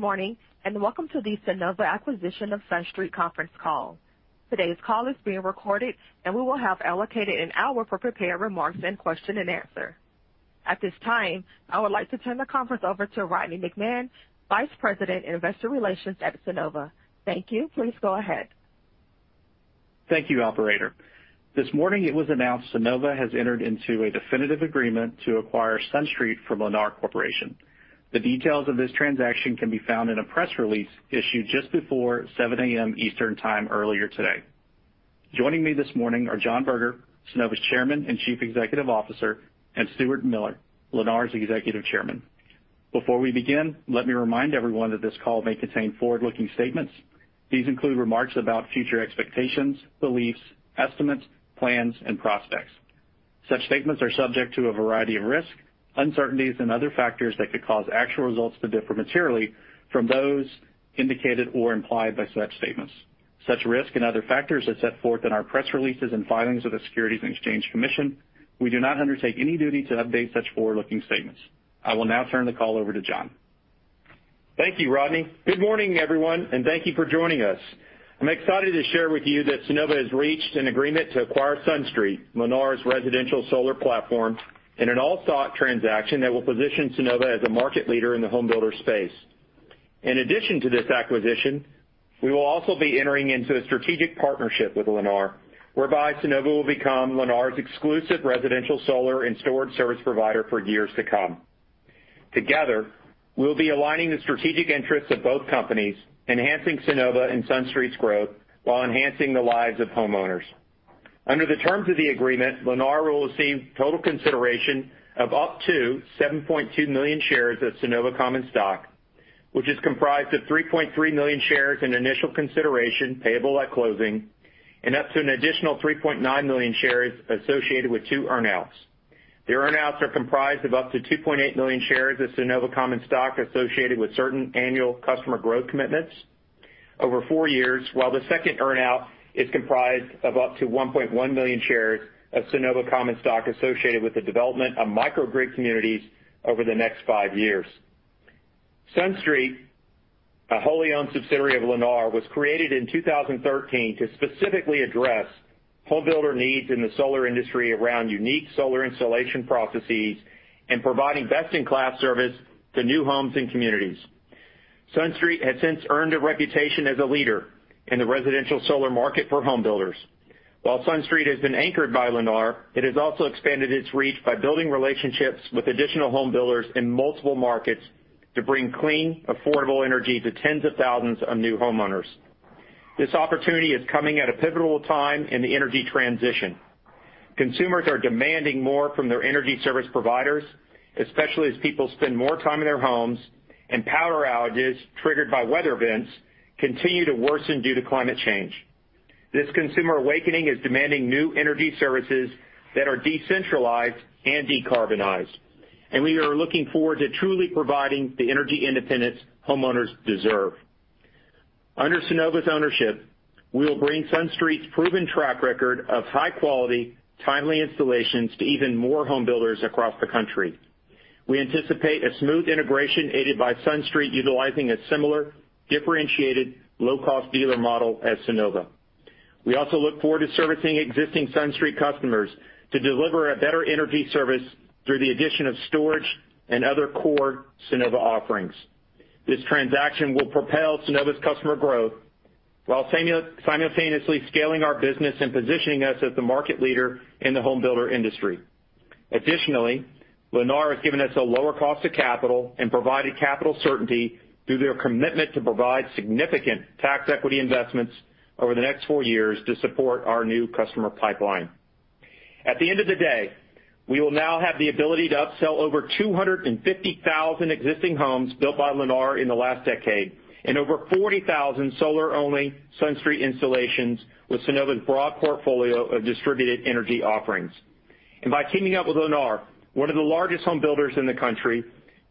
Good morning, and welcome to the Sunnova acquisition of SunStreet conference call. Today's call is being recorded, and we will have allocated 1 hour for prepared remarks and question and answer. At this time, I would like to turn the conference over to Rodney McMahan, Vice President, Investor Relations at Sunnova. Thank you. Please go ahead. Thank you, operator. This morning it was announced Sunnova has entered into a definitive agreement to acquire SunStreet from Lennar Corporation. The details of this transaction can be found in a press release issued just before 7:00 A.M. Eastern time earlier today. Joining me this morning are John Berger, Sunnova's Chairman and Chief Executive Officer, and Stuart Miller, Lennar's Executive Chairman. Before we begin, let me remind everyone that this call may contain forward-looking statements. These include remarks about future expectations, beliefs, estimates, plans, and prospects. Such statements are subject to a variety of risks, uncertainties, and other factors that could cause actual results to differ materially from those indicated or implied by such statements. Such risks and other factors are set forth in our press releases and filings with the Securities and Exchange Commission. We do not undertake any duty to update such forward-looking statements. I will now turn the call over to John. Thank you, Rodney. Good morning, everyone, and thank you for joining us. I'm excited to share with you that Sunnova has reached an agreement to acquire SunStreet, Lennar's residential solar platform, in an all-stock transaction that will position Sunnova as a market leader in the home builder space. In addition to this acquisition, we will also be entering into a strategic partnership with Lennar, whereby Sunnova will become Lennar's exclusive residential solar and storage service provider for years to come. Together, we'll be aligning the strategic interests of both companies, enhancing Sunnova and SunStreet's growth while enhancing the lives of homeowners. Under the terms of the agreement, Lennar will receive total consideration of up to 7.2 million shares of Sunnova common stock, which is comprised of 3.3 million shares in initial consideration payable at closing and up to an additional 3.9 million shares associated with two earn-outs. The earn-outs are comprised of up to 2.8 million shares of Sunnova common stock associated with certain annual customer growth commitments over four years, while the second earn-out is comprised of up to 1.1 million shares of Sunnova common stock associated with the development of microgrid communities over the next five years. SunStreet, a wholly-owned subsidiary of Lennar, was created in 2013 to specifically address home builder needs in the solar industry around unique solar installation processes and providing best-in-class service to new homes and communities. SunStreet has since earned a reputation as a leader in the residential solar market for home builders. While SunStreet has been anchored by Lennar, it has also expanded its reach by building relationships with additional home builders in multiple markets to bring clean, affordable energy to tens of thousands of new homeowners. This opportunity is coming at a pivotal time in the energy transition. Consumers are demanding more from their energy service providers, especially as people spend more time in their homes and power outages triggered by weather events continue to worsen due to climate change. This consumer awakening is demanding new energy services that are decentralized and decarbonized, and we are looking forward to truly providing the energy independence homeowners deserve. Under Sunnova's ownership, we will bring SunStreet's proven track record of high-quality, timely installations to even more home builders across the country. We anticipate a smooth integration aided by SunStreet utilizing a similar differentiated low-cost dealer model as Sunnova. We also look forward to servicing existing SunStreet customers to deliver a better energy service through the addition of storage and other core Sunnova offerings. This transaction will propel Sunnova's customer growth while simultaneously scaling our business and positioning us as the market leader in the home builder industry. Additionally, Lennar has given us a lower cost of capital and provided capital certainty through their commitment to provide significant tax equity investments over the next four years to support our new customer pipeline. At the end of the day, we will now have the ability to upsell over 250,000 existing homes built by Lennar in the last decade and over 40,000 solar-only SunStreet installations with Sunnova's broad portfolio of distributed energy offerings. By teaming up with Lennar, one of the largest home builders in the country,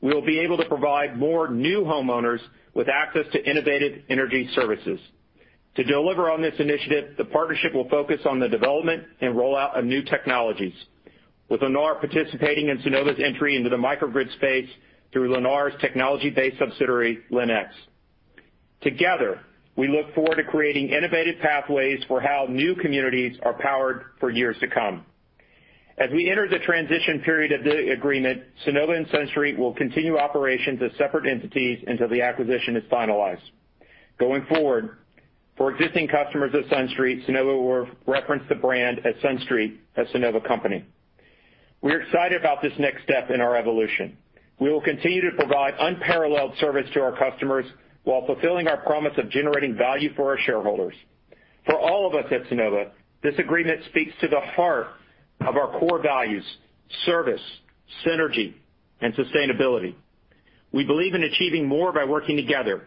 we will be able to provide more new homeowners with access to innovative energy services. To deliver on this initiative, the partnership will focus on the development and rollout of new technologies, with Lennar participating in Sunnova's entry into the microgrid space through Lennar's technology-based subsidiary, LenX. Together, we look forward to creating innovative pathways for how new communities are powered for years to come. As we enter the transition period of the agreement, Sunnova and SunStreet will continue operations as separate entities until the acquisition is finalized. Going forward, for existing customers of SunStreet, Sunnova will reference the brand as SunStreet, a Sunnova company. We're excited about this next step in our evolution. We will continue to provide unparalleled service to our customers while fulfilling our promise of generating value for our shareholders. For all of us at Sunnova, this agreement speaks to the heart of our core values, service, synergy, and sustainability. We believe in achieving more by working together,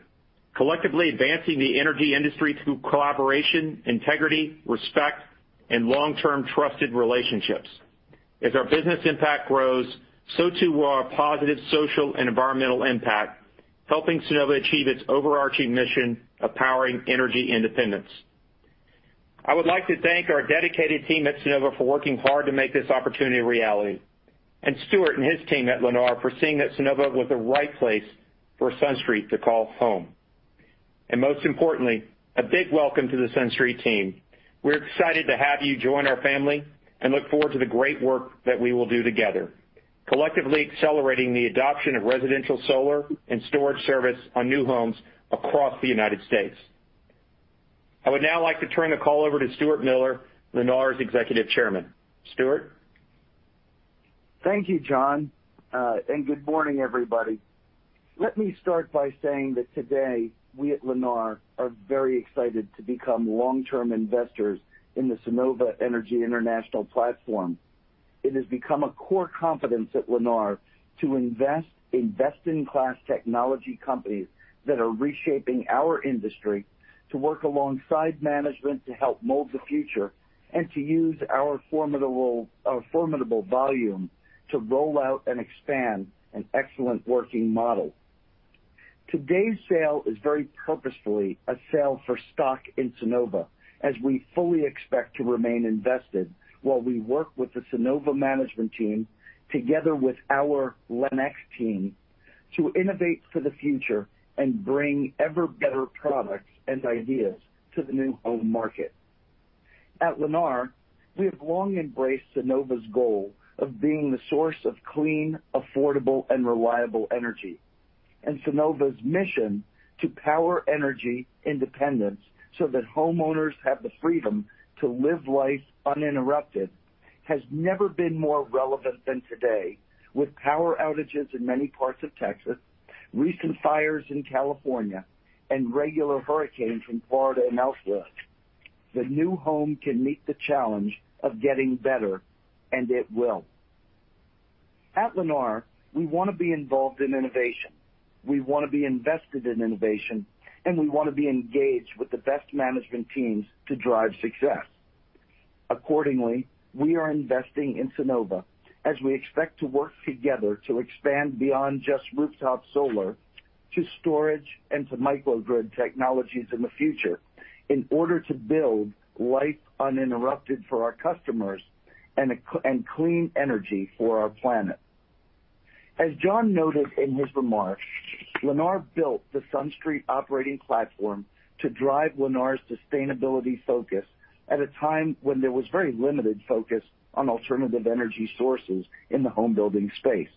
collectively advancing the energy industry through collaboration, integrity, respect, and long-term trusted relationships. As our business impact grows, so too will our positive social and environmental impact, helping Sunnova achieve its overarching mission of powering energy independence. I would like to thank our dedicated team at Sunnova for working hard to make this opportunity a reality, Stuart and his team at Lennar for seeing that Sunnova was the right place for SunStreet to call home. Most importantly, a big welcome to the SunStreet team. We're excited to have you join our family and look forward to the great work that we will do together, collectively accelerating the adoption of residential solar and storage service on new homes across the United States. I would now like to turn the call over to Stuart Miller, Lennar's Executive Chairman. Stuart? Thank you, John, and good morning, everybody. Let me start by saying that today we at Lennar are very excited to become long-term investors in the Sunnova Energy International platform. It has become a core competence at Lennar to invest in best-in-class technology companies that are reshaping our industry, to work alongside management to help mold the future, and to use our formidable volume to roll out and expand an excellent working model. Today's sale is very purposefully a sale for stock in Sunnova, as we fully expect to remain invested while we work with the Sunnova management team, together with our LenX team, to innovate for the future and bring ever-better products and ideas to the new home market. At Lennar, we have long embraced Sunnova's goal of being the source of clean, affordable, and reliable energy. Sunnova's mission to power energy independence so that homeowners have the freedom to live life uninterrupted has never been more relevant than today, with power outages in many parts of Texas, recent fires in California, and regular hurricanes in Florida and elsewhere. The new home can meet the challenge of getting better, and it will. At Lennar, we want to be involved in innovation. We want to be invested in innovation, and we want to be engaged with the best management teams to drive success. Accordingly, we are investing in Sunnova as we expect to work together to expand beyond just rooftop solar to storage and to microgrid technologies in the future in order to build life uninterrupted for our customers and clean energy for our planet. As John noted in his remarks, Lennar built the SunStreet operating platform to drive Lennar's sustainability focus at a time when there was very limited focus on alternative energy sources in the home building space.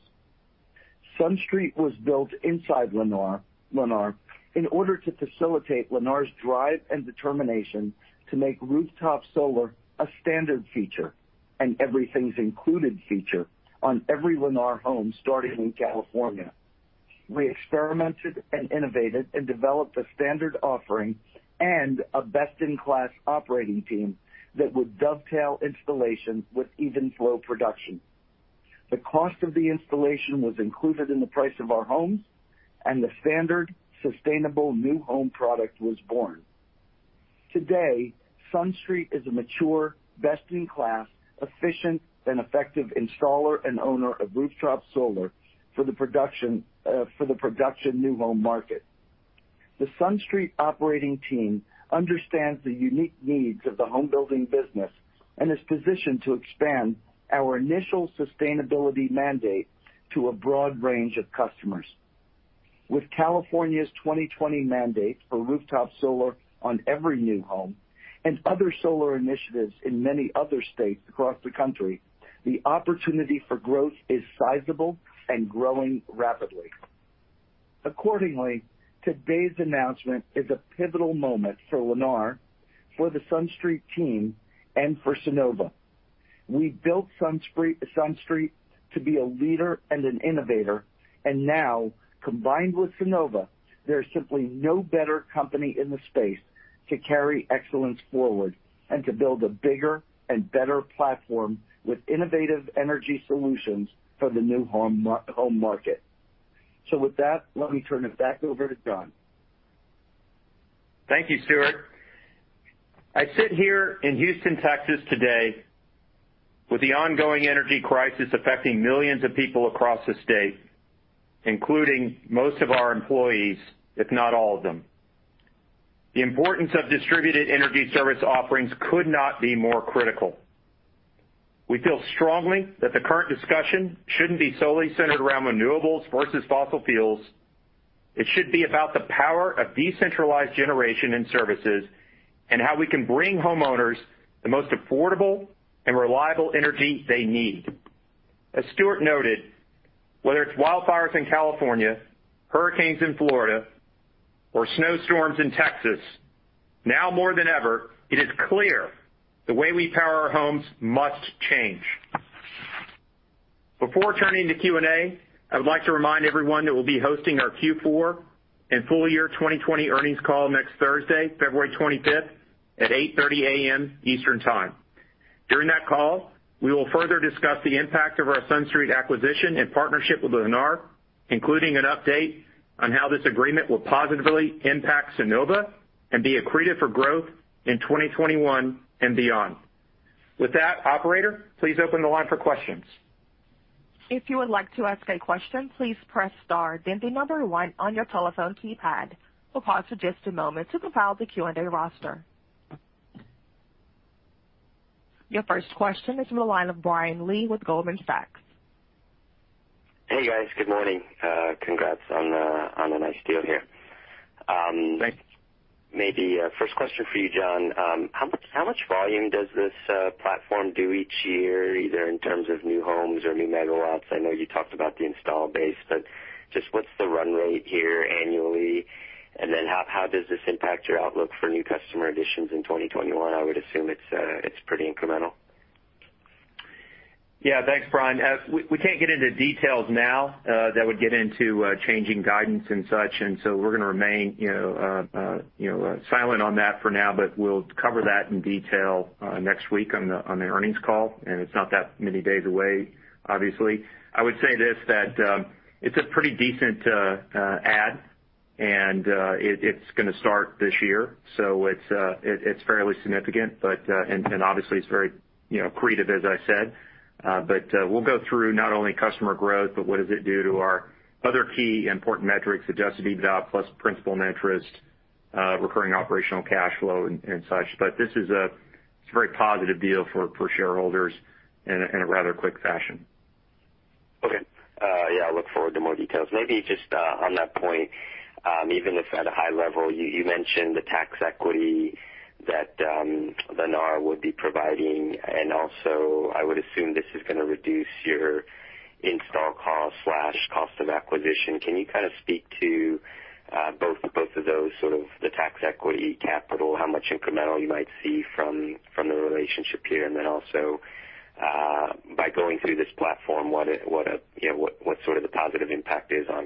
SunStreet was built inside Lennar in order to facilitate Lennar's drive and determination to make rooftop solar a standard feature, an Everything's Included feature on every Lennar home starting in California. We experimented and innovated and developed a standard offering and a best-in-class operating team that would dovetail installation with even flow production. The cost of the installation was included in the price of our homes, and the standard sustainable new home product was born. Today, SunStreet is a mature, best-in-class, efficient, and effective installer and owner of rooftop solar for the production new home market. The SunStreet operating team understands the unique needs of the home building business and is positioned to expand our initial sustainability mandate to a broad range of customers. With California's 2020 mandate for rooftop solar on every new home and other solar initiatives in many other states across the country, the opportunity for growth is sizable and growing rapidly. Accordingly, today's announcement is a pivotal moment for Lennar, for the SunStreet team, and for Sunnova. We built SunStreet to be a leader and an innovator. Now, combined with Sunnova, there is simply no better company in the space to carry excellence forward and to build a bigger and better platform with innovative energy solutions for the new home market. With that, let me turn it back over to John. Thank you, Stuart. I sit here in Houston, Texas, today with the ongoing energy crisis affecting millions of people across the state, including most of our employees, if not all of them. The importance of distributed energy service offerings could not be more critical. We feel strongly that the current discussion shouldn't be solely centered around renewables versus fossil fuels. It should be about the power of decentralized generation and services and how we can bring homeowners the most affordable and reliable energy they need. As Stuart noted, whether it's wildfires in California, hurricanes in Florida, or snowstorms in Texas, now more than ever, it is clear the way we power our homes must change. Before turning to Q&A, I would like to remind everyone that we'll be hosting our Q4 and full year 2020 earnings call next Thursday, February 25th at 8:30 A.M. Eastern Time. During that call, we will further discuss the impact of our SunStreet acquisition and partnership with Lennar, including an update on how this agreement will positively impact Sunnova and be accretive for growth in 2021 and beyond. With that, operator, please open the line for questions. If you would like to ask a question, please press star then the number one on your telephone keypad. We'll pause for just a moment to compile the Q&A roster. Your first question is from the line of Brian Lee with Goldman Sachs. Hey, guys. Good morning. Congrats on the nice deal here. Thank you. Maybe a first question for you, John. How much volume does this platform do each year, either in terms of new homes or new megawatts? I know you talked about the install base but just what's the run rate here annually and then how does this impact your outlook for new customer additions in 2021? I would assume it's pretty incremental. Yeah. Thanks, Brian. We can't get into details now that would get into changing guidance and such, and so we're going to remain silent on that for now, but we'll cover that in detail next week on the earnings call, and it's not that many days away, obviously. I would say this, that it's a pretty decent add and it's going to start this year. It's fairly significant, and then obviously it's very accretive, as I said. We'll go through not only customer growth, but what does it do to our other key important metrics, adjusted EBITDA plus principal and interest, recurring operational cash flow, and such but this is a very positive deal for shareholders in a rather quick fashion. Look forward to more details. Maybe just on that point, even if at a high level, you mentioned the tax equity that Lennar would be providing, and also I would assume this is going to reduce your install cost/cost of acquisition, can you speak to both of those, sort of the tax equity capital, how much incremental you might see from the relationship here? Also, by going through this platform, what sort of the positive impact is on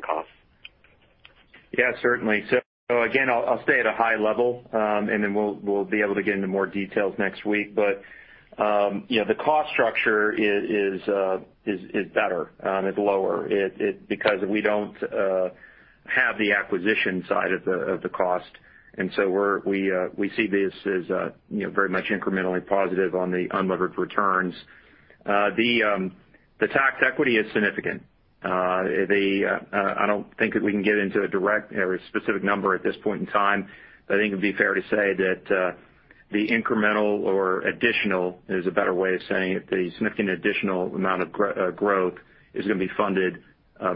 costs? Certainly. Again, I'll stay at a high level, and then we'll be able to get into more details next week. The cost structure is better, it's lower because we don't have the acquisition side of the cost. We see this as very much incrementally positive on the unlevered returns. The tax equity is significant. I don't think that we can get into a direct or a specific number at this point in time, but I think it'd be fair to say that the incremental or additional is a better way of saying it, the significant additional amount of growth is going to be funded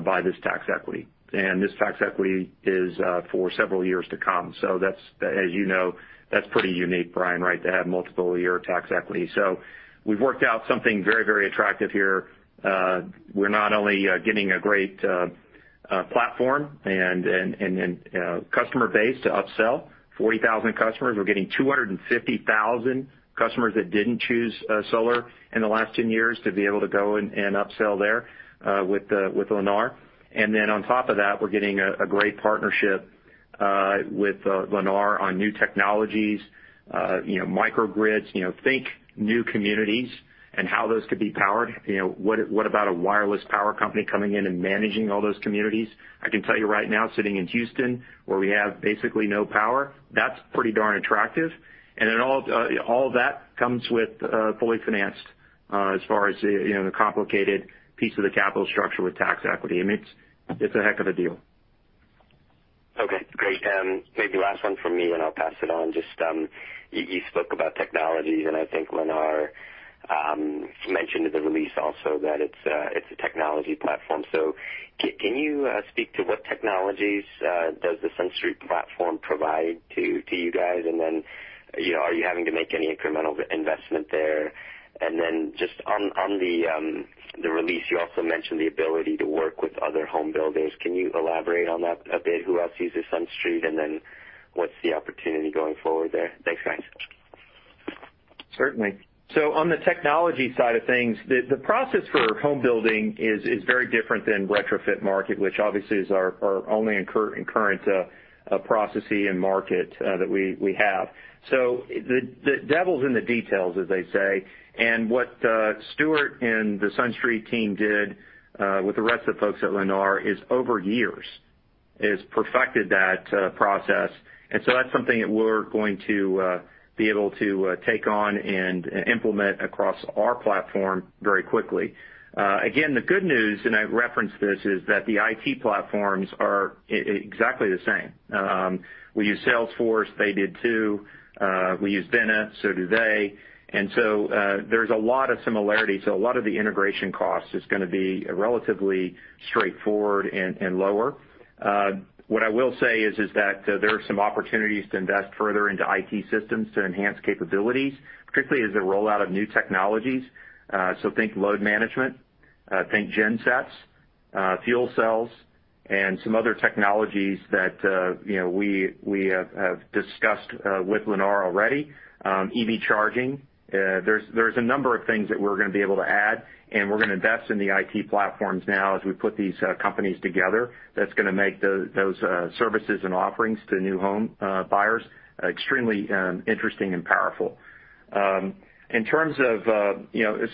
by this tax equity. This tax equity is for several years to come. That's, as you know, that's pretty unique, Brian, right? To have multiple year tax equity. We've worked out something very, very attractive here. We're not only getting a great platform and customer base to upsell 40,000 customers. We're getting 250,000 customers that didn't choose solar in the last 10 years to be able to go and upsell there with Lennar. On top of that, we're getting a great partnership with Lennar on new technologies, microgrids. Think new communities and how those could be powered. What about a wireless power company coming in and managing all those communities? I can tell you right now, sitting in Houston, where we have basically no power, that's pretty darn attractive. All of that comes with fully financed, as far as the complicated piece of the capital structure with tax equity. It's a heck of a deal. Okay, great. Maybe last one from me, and I'll pass it on. You spoke about technologies, and I think Lennar mentioned in the release also that it's a technology platform. Can you speak to what technologies does the SunStreet platform provide to you guys? Are you having to make any incremental investment there? Just on the release, you also mentioned the ability to work with other home builders. Can you elaborate on that a bit? Who else uses SunStreet, and then what's the opportunity going forward there? Thanks, guys. Certainly. On the technology side of things, the process for home building is very different than retrofit market, which obviously is our only current process and market that we have. The devil's in the details, as they say. What Stuart and the SunStreet team did, with the rest of the folks at Lennar, is over years, is perfected that process and so that's something that we're going to be able to take on and implement across our platform very quickly. Again, the good news, and I referenced this, is that the IT platforms are exactly the same. We use Salesforce, they did too. We use Vena, so do they. There's a lot of similarity. A lot of the integration cost is going to be relatively straightforward and lower. What I will say is that there are some opportunities to invest further into IT systems to enhance capabilities, particularly as a rollout of new technologies. Think load management, think gensets, fuel cells, and some other technologies that we have discussed with Lennar already. EV charging. There's a number of things that we're going to be able to add, and we're going to invest in the IT platforms now as we put these companies together. That's going to make those services and offerings to new home buyers extremely interesting and powerful. In terms of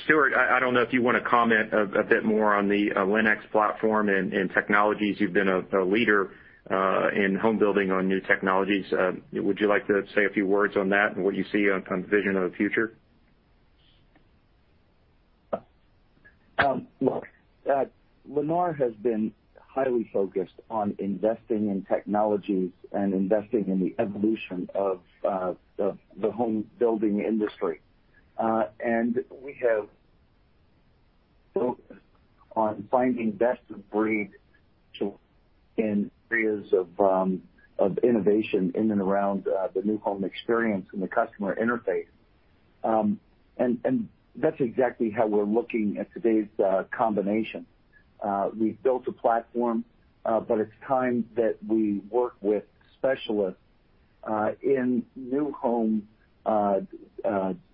Stuart, I don't know if you want to comment a bit more on the LenX platform and technologies. You've been a leader in home building on new technologies. Would you like to say a few words on that and what you see on vision of the future? Look, Lennar has been highly focused on investing in technologies and investing in the evolution of the home building industry. We have focused on finding best of breed in areas of innovation in and around the new home experience and the customer interface. That's exactly how we're looking at today's combination. We've built a platform, but it's time that we work with specialists in new home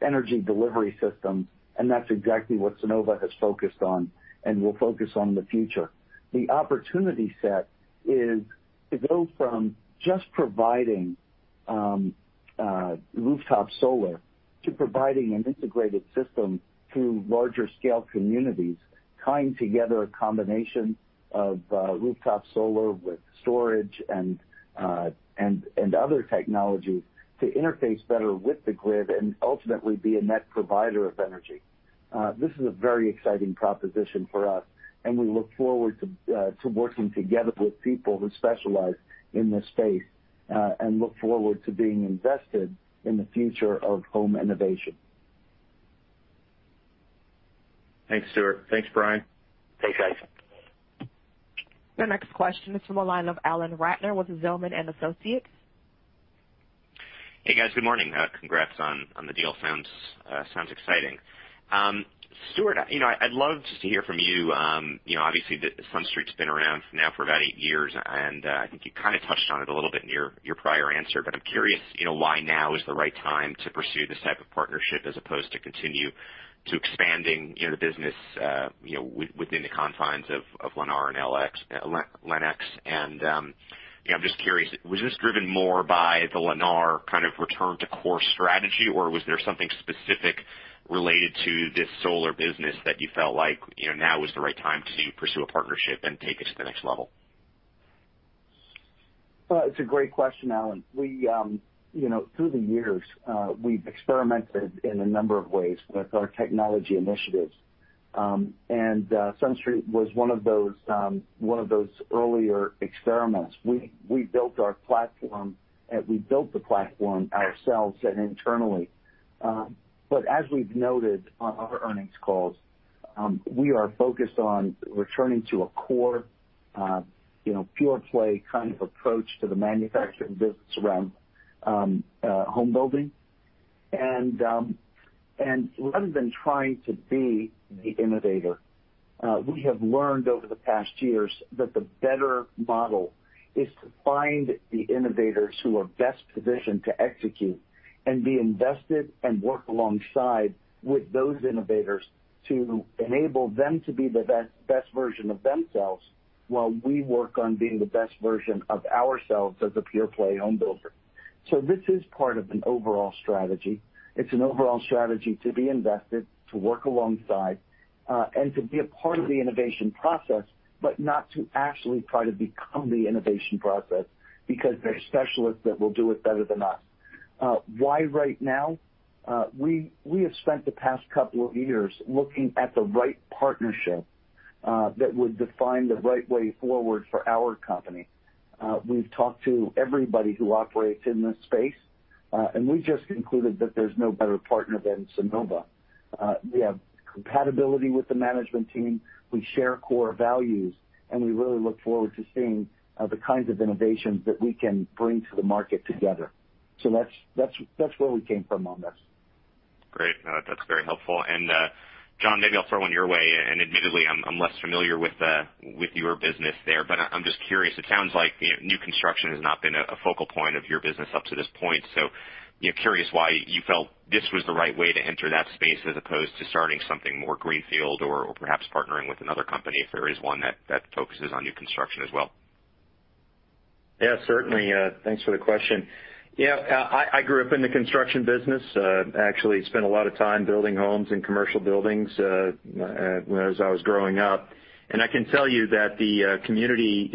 energy delivery systems, and that's exactly what Sunnova has focused on and will focus on in the future. The opportunity set is to go from just providing rooftop solar to providing an integrated system to larger scale communities, tying together a combination of rooftop solar with storage and other technology to interface better with the grid and ultimately be a net provider of energy. This is a very exciting proposition for us, and we look forward to working together with people who specialize in this space, and look forward to being invested in the future of home innovation. Thanks, Stuart. Thanks, Brian. Thanks, guys. The next question is from the line of Alan Ratner with Zelman & Associates. Hey, guys. Good morning. Congrats on the deal. Sounds exciting. Stuart, I'd love just to hear from you. Obviously, SunStreet's been around now for about eight years, and I think you kind of touched on it a little bit in your prior answer, but I'm curious why now is the right time to pursue this type of partnership as opposed to continue to expanding the business within the confines of Lennar and LenX. I'm just curious, was this driven more by the Lennar kind of return to core strategy, or was there something specific related to this solar business that you felt now is the right time to pursue a partnership and take it to the next level? Well, it's a great question, Alan. Through the years, we've experimented in a number of ways with our technology initiatives. SunStreet was one of those earlier experiments. We built the platform ourselves and internally. As we've noted on other earnings calls, we are focused on returning to a core, pure play kind of approach to the manufacturing business around home building. Rather than trying to be the innovator, we have learned over the past years that the better model is to find the innovators who are best positioned to execute and be invested and work alongside with those innovators to enable them to be the best version of themselves while we work on being the best version of ourselves as a pure play home builder. This is part of an overall strategy. It's an overall strategy to be invested, to work alongside, and to be a part of the innovation process, but not to actually try to become the innovation process, because there are specialists that will do it better than us. Why right now? We have spent the past couple of years looking at the right partnership, that would define the right way forward for our company. We have talked to everybody who operates in this space, we just concluded that there's no better partner than Sunnova. We have compatibility with the management team. We share core values, we really look forward to seeing the kinds of innovations that we can bring to the market together. That's where we came from on this. Great. No, that's very helpful. John, maybe I'll throw one your way, and admittedly, I'm less familiar with your business there, but I'm just curious. It sounds like new construction has not been a focal point of your business up to this point. Curious why you felt this was the right way to enter that space as opposed to starting something more greenfield or perhaps partnering with another company if there is one that focuses on new construction as well. Yeah, certainly. Thanks for the question. I grew up in the construction business. Actually spent a lot of time building homes and commercial buildings as I was growing up. I can tell you that the community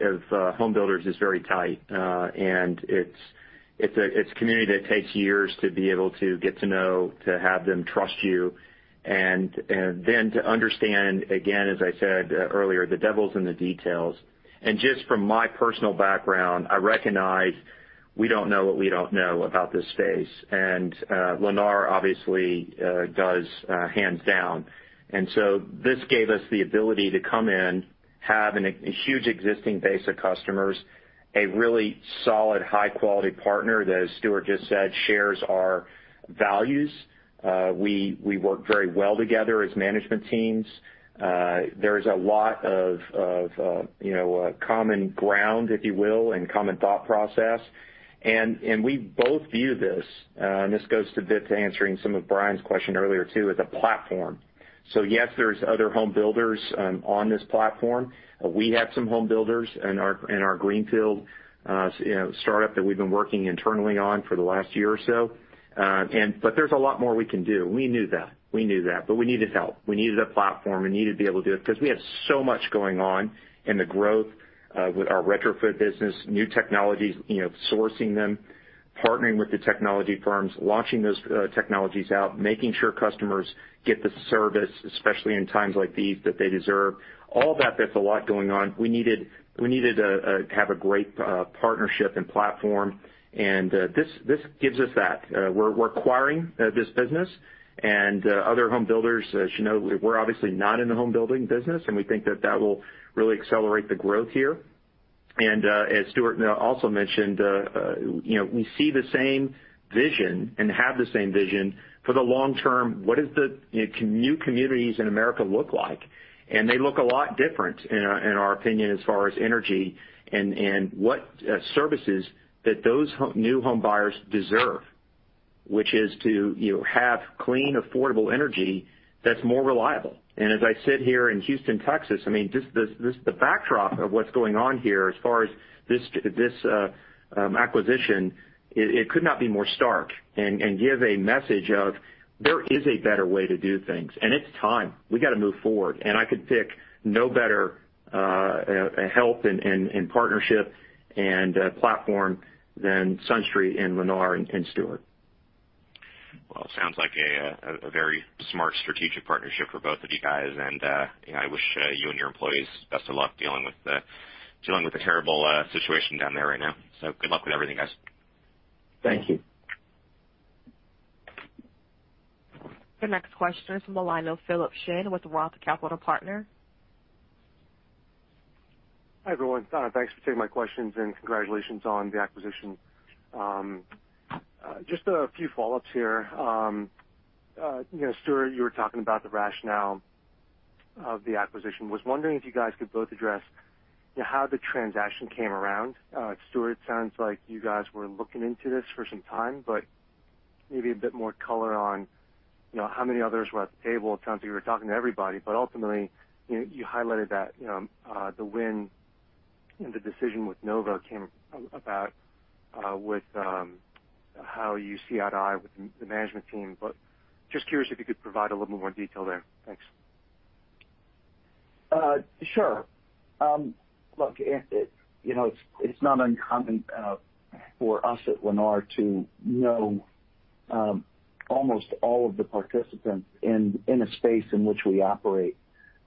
of home builders is very tight. It's a community that takes years to be able to get to know, to have them trust you, and then to understand, again, as I said earlier, the devil's in the details. Just from my personal background, I recognize we don't know what we don't know about this space. Lennar obviously does, hands down. This gave us the ability to come in, have a huge existing base of customers, a really solid, high-quality partner that, as Stuart just said, shares our values. We work very well together as management teams. There's a lot of common ground, if you will, and common thought process. We both view this, and this goes a bit to answering some of Brian's question earlier, too, as a platform. Yes, there's other home builders on this platform. We have some home builders in our greenfield startup that we've been working internally on for the last year or so but there's a lot more we can do. We knew that. We needed help. We needed a platform. We needed to be able to do it because we have so much going on in the growth with our retrofit business, new technologies, sourcing them, partnering with the technology firms, launching those technologies out, making sure customers get the service, especially in times like these, that they deserve. All that, there's a lot going on. We needed to have a great partnership and platform, and this gives us that. We're acquiring this business and other home builders. As you know, we're obviously not in the home building business, and we think that that will really accelerate the growth here. As Stuart also mentioned, we see the same vision and have the same vision for the long term. What is the new communities in America look like? They look a lot different, in our opinion, as far as energy and what services that those new home buyers deserve, which is to have clean, affordable energy that's more reliable. As I sit here in Houston, Texas, just the backdrop of what's going on here as far as this acquisition, it could not be more stark and give a message of there is a better way to do things, and it's time. We got to move forward. I could pick no better help and partnership and platform than SunStreet and Lennar and Stuart. Well, it sounds like a very smart strategic partnership for both of you guys. I wish you and your employees the best of luck dealing with the terrible situation down there right now. Good luck with everything, guys. Thank you. The next question is from the line of Philip Shen with Roth Capital Partners. Hi, everyone. Thanks for taking my questions and congratulations on the acquisition. Just a few follow-ups here. Stuart, you were talking about the rationale of the acquisition. I was wondering if you guys could both address how the transaction came around. Stuart, it sounds like you guys were looking into this for some time, but maybe a bit more color on how many others were at the table. It sounds like you were talking to everybody, but ultimately, you highlighted that the win and the decision that Sunnova came about with how you see eye to eye with the management team. Just curious if you could provide a little more detail there. Thanks. Sure. Look, it's not uncommon for us at Lennar to know almost all of the participants in a space in which we operate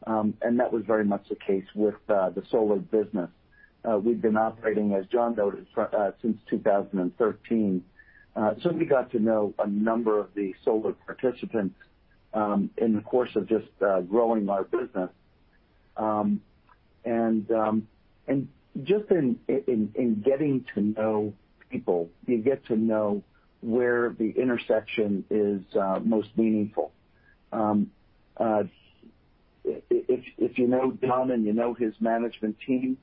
and that was very much the case with the solar business. We've been operating, as John noted, since 2013. Certainly, we got to know a number of the solar participants in the course of just growing our business. Just in getting to know people, you get to know where the intersection is most meaningful. If you know John and you know his management team,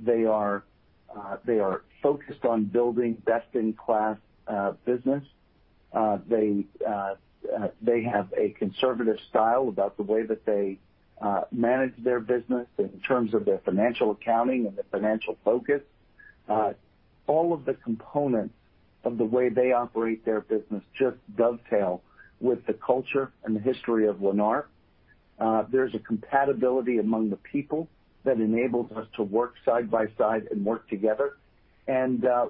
they are focused on building best-in-class business. They have a conservative style about the way that they manage their business in terms of their financial accounting and their financial focus. All of the components of the way they operate their business just dovetail with the culture and the history of Lennar. There's a compatibility among the people that enables us to work side-by-side and work together.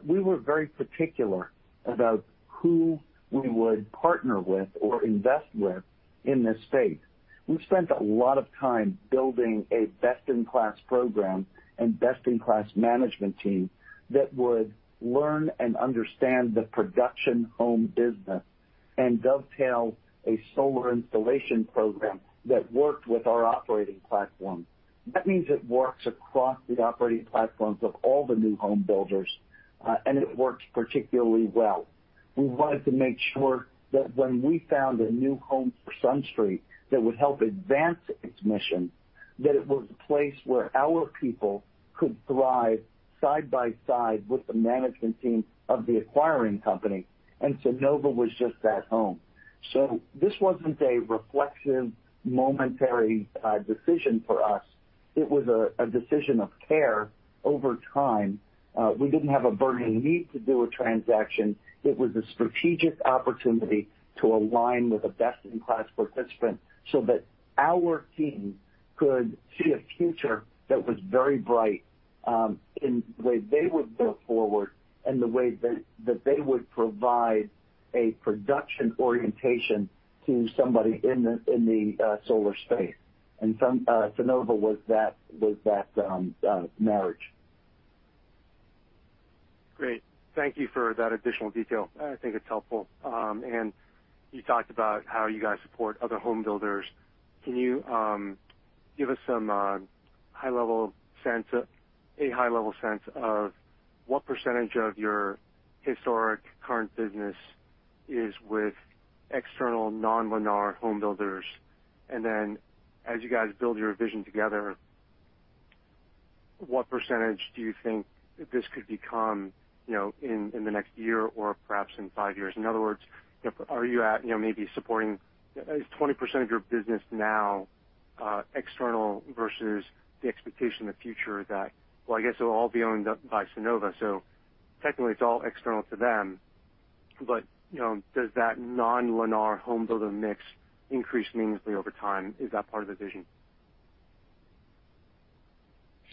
We were very particular about who we would partner with or invest with in this space. We've spent a lot of time building a best-in-class program and best-in-class management team that would learn and understand the production home business and dovetail a solar installation program that worked with our operating platform. That means it works across the operating platforms of all the new home builders, it works particularly well. We wanted to make sure that when we found a new home for SunStreet that would help advance its mission, that it was a place where our people could thrive side by side with the management team of the acquiring company. Sunnova was just that home. This wasn't a reflexive, momentary decision for us. It was a decision of care over time. We didn't have a burning need to do a transaction. It was a strategic opportunity to align with a best-in-class participant so that our team could see a future that was very bright in the way they would move forward and the way that they would provide a production orientation to somebody in the solar space. Sunnova was that marriage. Great. Thank you for that additional detail. I think it's helpful. You talked about how you guys support other home builders. Can you give us a high level sense of what percentage of your historic current business is with external non-Lennar home builders? As you guys build your vision together, what percentage do you think this could become in the next year or perhaps in five years? In other words, is 20% of your business now external versus the expectation in the future that, well, I guess it'll all be owned up by Sunnova, so technically it's all external to them. Does that non-Lennar home builder mix increase meaningfully over time? Is that part of the vision?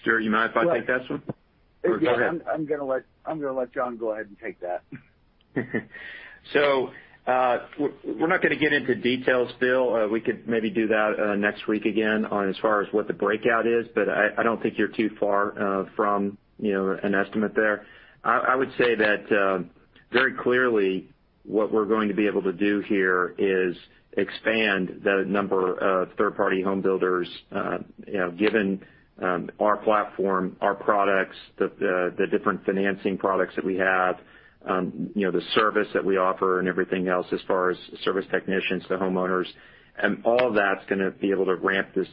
Stuart, you mind if I take that one? Go ahead. I'm going to let John go ahead and take that. We're not going to get into details, Phil. We could maybe do that next week again on as far as what the breakout is, but I don't think you're too far from an estimate there. I would say that very clearly what we're going to be able to do here is expand the number of third-party home builders given our platform, our products, the different financing products that we have, the service that we offer and everything else as far as service technicians to homeowners. All of that's going to be able to ramp this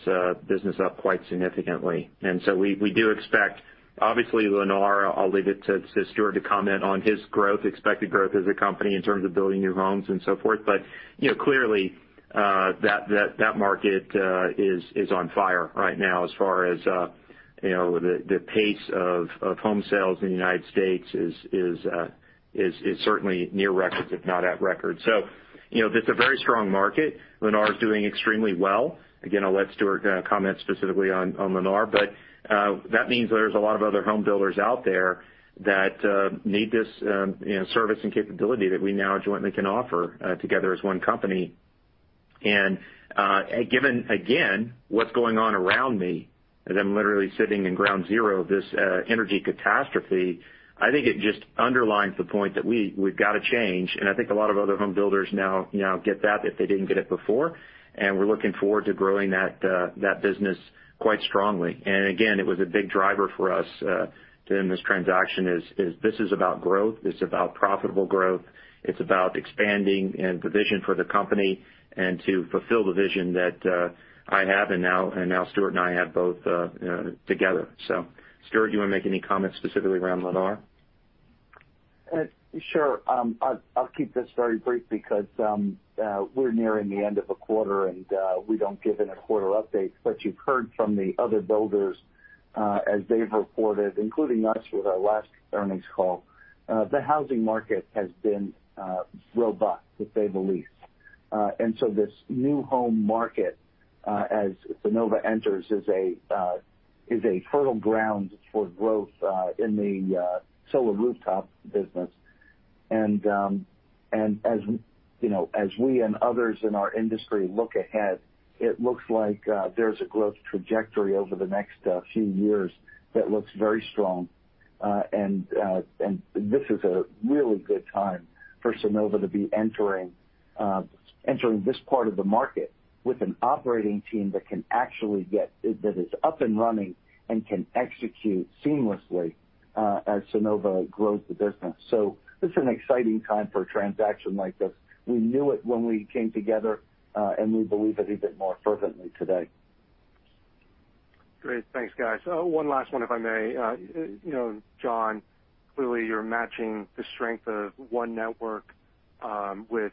business up quite significantly. We do expect, obviously Lennar, I'll leave it to Stuart to comment on his expected growth as a company in terms of building new homes and so forth. Clearly that market is on fire right now as far as the pace of home sales in the United States is certainly near record, if not at record. It's a very strong market. Lennar is doing extremely well. Again, I'll let Stuart comment specifically on Lennar. That means there's a lot of other home builders out there that need this service and capability that we now jointly can offer together as one company. Given again, what's going on around me, as I'm literally sitting in ground zero of this energy catastrophe, I think it just underlines the point that we've got to change. I think a lot of other home builders now get that if they didn't get it before and we're looking forward to growing that business quite strongly. Again, it was a big driver for us doing this transaction is, this is about growth, it's about profitable growth, it's about expanding and the vision for the company and to fulfill the vision that I have and now Stuart and I have both together. Stuart, do you want to make any comments specifically around Lennar? Sure. I'll keep this very brief because we're nearing the end of a quarter, and we don't give in a quarter updates. You've heard from the other builders as they've reported, including us with our last earnings call. The housing market has been robust, to say the least. This new home market as Sunnova enters is a fertile ground for growth in the solar rooftop business. As we and others in our industry look ahead, it looks like there's a growth trajectory over the next few years that looks very strong. This is a really good time for Sunnova to be entering this part of the market with an operating team that is up and running and can execute seamlessly as Sunnova grows the business. This is an exciting time for a transaction like this. We knew it when we came together, and we believe it even more fervently today. Great. Thanks, guys. One last one, if I may. John, clearly you're matching the strength of one network with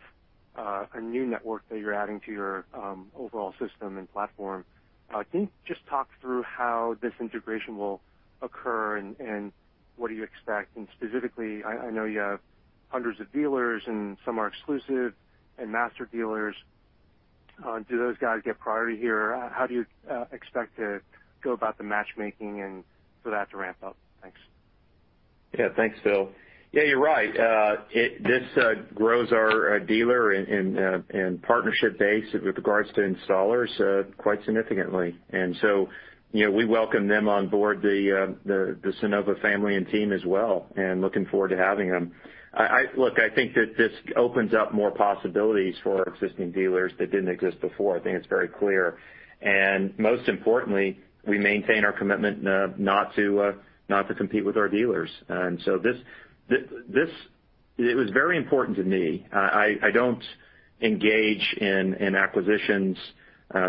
a new network that you're adding to your overall system and platform. Can you just talk through how this integration will occur and what do you expect? Specifically, I know you have hundreds of dealers and some are exclusive and master dealers. Do those guys get priority here? How do you expect to go about the matchmaking and for that to ramp up? Thanks. Thanks, Phil. You're right. This grows our dealer and partnership base with regards to installers quite significantly. We welcome them on Board the Sunnova family and team as well, and looking forward to having them. Look, I think that this opens up more possibilities for our existing dealers that didn't exist before. I think it's very clear. Most importantly, we maintain our commitment not to compete with our dealers. It was very important to me. I don't engage in acquisitions.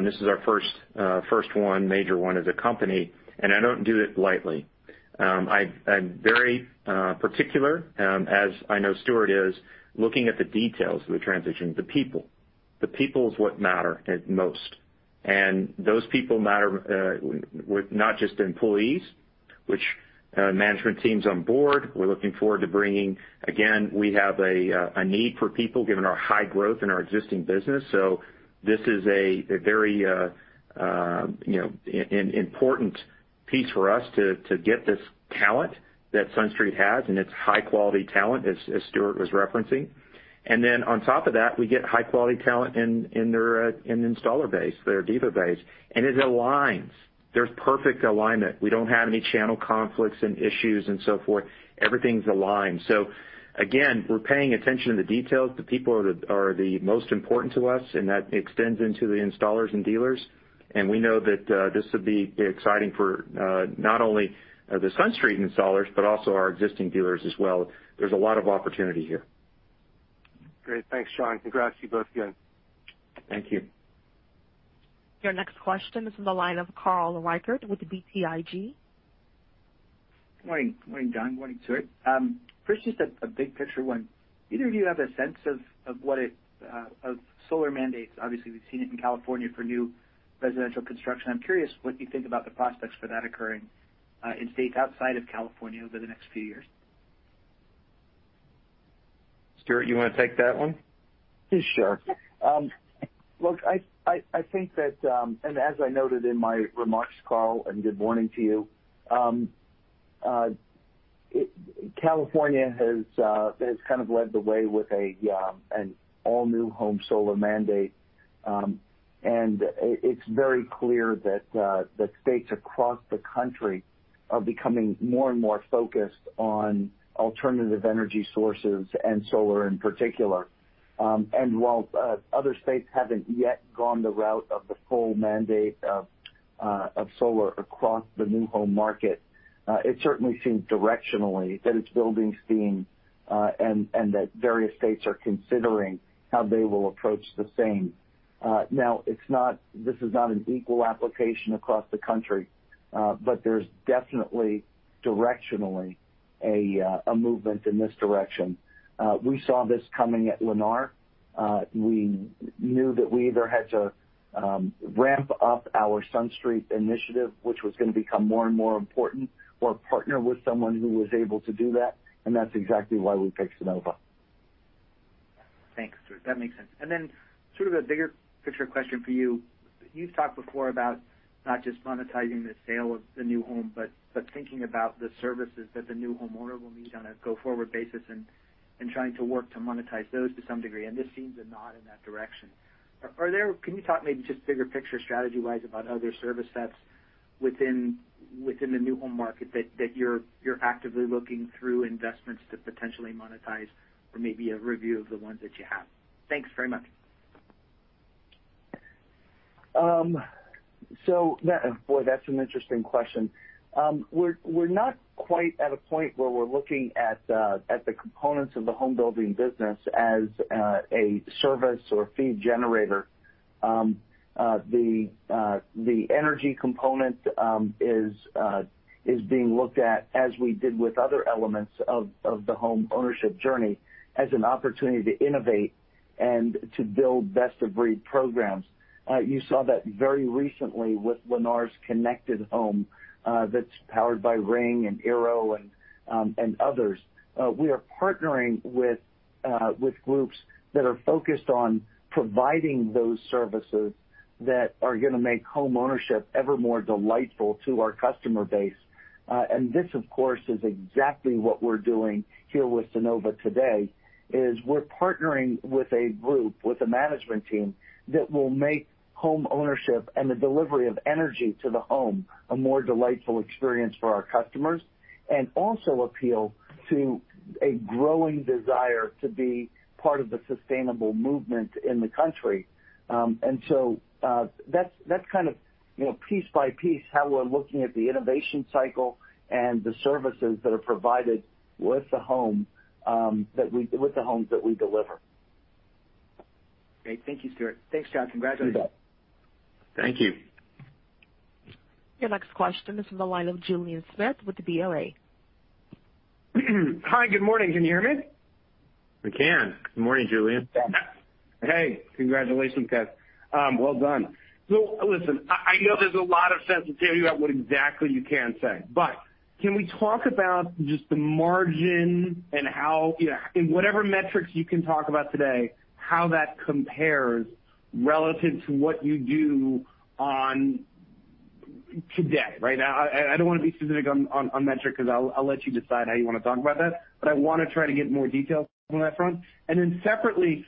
This is our first one, major one as a company, and I don't do it lightly. I'm very particular as I know Stuart is looking at the details of the transition, the people. The people is what matter at most and those people matter with not just employees, which management team's on Board. We're looking forward to bringing, again, we have a need for people given our high growth in our existing business. This is a very important piece for us to get this talent that SunStreet has and its high-quality talent as Stuart was referencing. On top of that, we get high-quality talent in their installer base, their dealer base, and it aligns. There's perfect alignment. We don't have any channel conflicts and issues and so forth. Everything's aligned. Again, we're paying attention to the details. The people are the most important to us, and that extends into the installers and dealers. We know that this would be exciting for not only the SunStreet installers, but also our existing dealers as well. There's a lot of opportunity here. Great. Thanks, John. Congrats to you both again. Thank you. Your next question is in the line of Carl Reichardt with BTIG. Good morning, John. Good morning, Stuart. First, just a big picture one. Do either of you have a sense of solar mandates? Obviously, we've seen it in California for new residential construction. I'm curious what you think about the prospects for that occurring in states outside of California over the next few years. Stuart, you want to take that one? Sure. Look, I think that, as I noted in my remarks, Carl, good morning to you. California has kind of led the way with an all-new home solar mandate. It's very clear that states across the country are becoming more and more focused on alternative energy sources and solar in particular. While other states haven't yet gone the route of the full mandate of solar across the new home market, it certainly seems directionally that it's building steam, and that various states are considering how they will approach the same. Now, this is not an equal application across the country. There's definitely directionally a movement in this direction. We saw this coming at Lennar. We knew that we either had to ramp up our SunStreet Initiative, which was going to become more and more important, or partner with someone who was able to do that. That's exactly why we picked Sunnova. Thanks, Stuart. That makes sense. Then sort of a bigger picture question for you. You've talked before about not just monetizing the sale of the new home, but thinking about the services that the new homeowner will need on a go-forward basis and trying to work to monetize those to some degree, and this seems a nod in that direction. Can you talk maybe just bigger picture strategy-wise about other service sets within the new home market that you're actively looking through investments to potentially monetize or maybe a review of the ones that you have? Thanks very much. Boy, that's an interesting question. We're not quite at a point where we're looking at the components of the Home Building Business as a Service or a fee generator. The energy component is being looked at as we did with other elements of the home ownership journey as an opportunity to innovate and to build best-of-breed programs. You saw that very recently with Lennar's connected home that's powered by Ring and eero and others. We are partnering with groups that are focused on providing those services that are going to make home ownership ever more delightful to our customer base. This, of course, is exactly what we're doing here with Sunnova today, is we're partnering with a group, with a management team that will make home ownership and the delivery of energy to the home a more delightful experience for our customers, and also appeal to a growing desire to be part of the sustainable movement in the country. That's kind of piece by piece, how we're looking at the innovation cycle and the services that are provided with the homes that we deliver. Great. Thank you, Stuart. Thanks, John. Congratulations. You bet. Thank you. Your next question is on the line with Julien Smith with BoA. Hi, good morning. Can you hear me? We can. Good morning, Julien. Hey. Congratulations, guys. Well done. Listen, I know there's a lot of sensitivity about what exactly you can say, but can we talk about just the margin and how, in whatever metrics you can talk about today, how that compares relative to what you do on today? I don't want to be specific on metric because I'll let you decide how you want to talk about that, but I want to try to get more details on that front. Separately,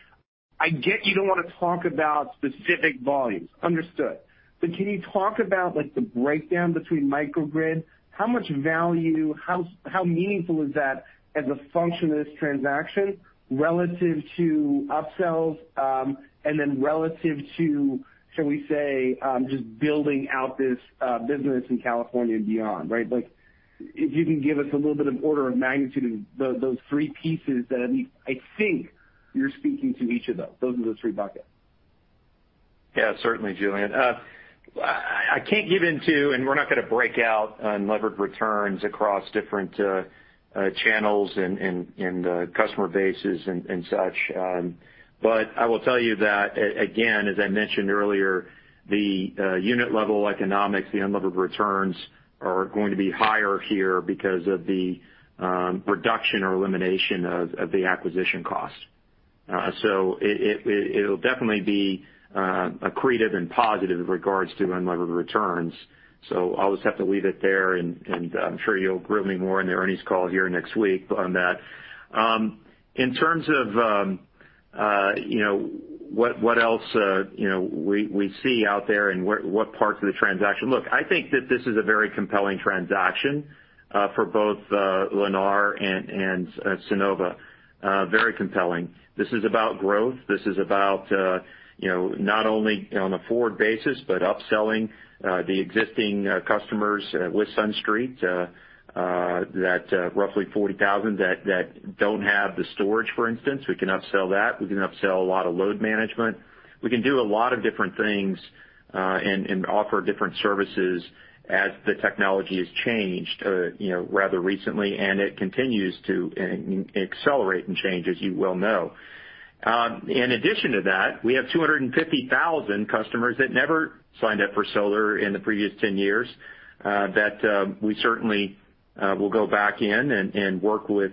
I get you don't want to talk about specific volumes. Understood. Can you talk about the breakdown between microgrid? How much value, how meaningful is that as a function of this transaction relative to upsells, and then relative to, shall we say, just building out this business in California and beyond, right? If you can give us a little bit of order of magnitude of those three pieces that at least I think you're speaking to each of those. Those are the three buckets. Yeah, certainly, Julien. I can't get into, and we're not going to break out unlevered returns across different channels and customer bases and such. I will tell you that, again, as I mentioned earlier, the unit level economics, the unlevered returns are going to be higher here because of the reduction or elimination of the acquisition cost. It'll definitely be accretive and positive in regards to unlevered returns. I'll just have to leave it there, and I'm sure you'll grill me more in the earnings call here next week on that. In terms of what else we see out there and what parts of the transaction, look, I think that this is a very compelling transaction for both Lennar and Sunnova. Very compelling. This is about growth. This is about not only on a forward basis, but upselling the existing customers with SunStreet, that roughly 40,000 that don't have the storage, for instance. We can upsell that. We can upsell a lot of load management. We can do a lot of different things and offer different services as the technology has changed rather recently, and it continues to accelerate and change as you well know. In addition to that, we have 250,000 customers that never signed up for solar in the previous 10 years that We'll go back in and work with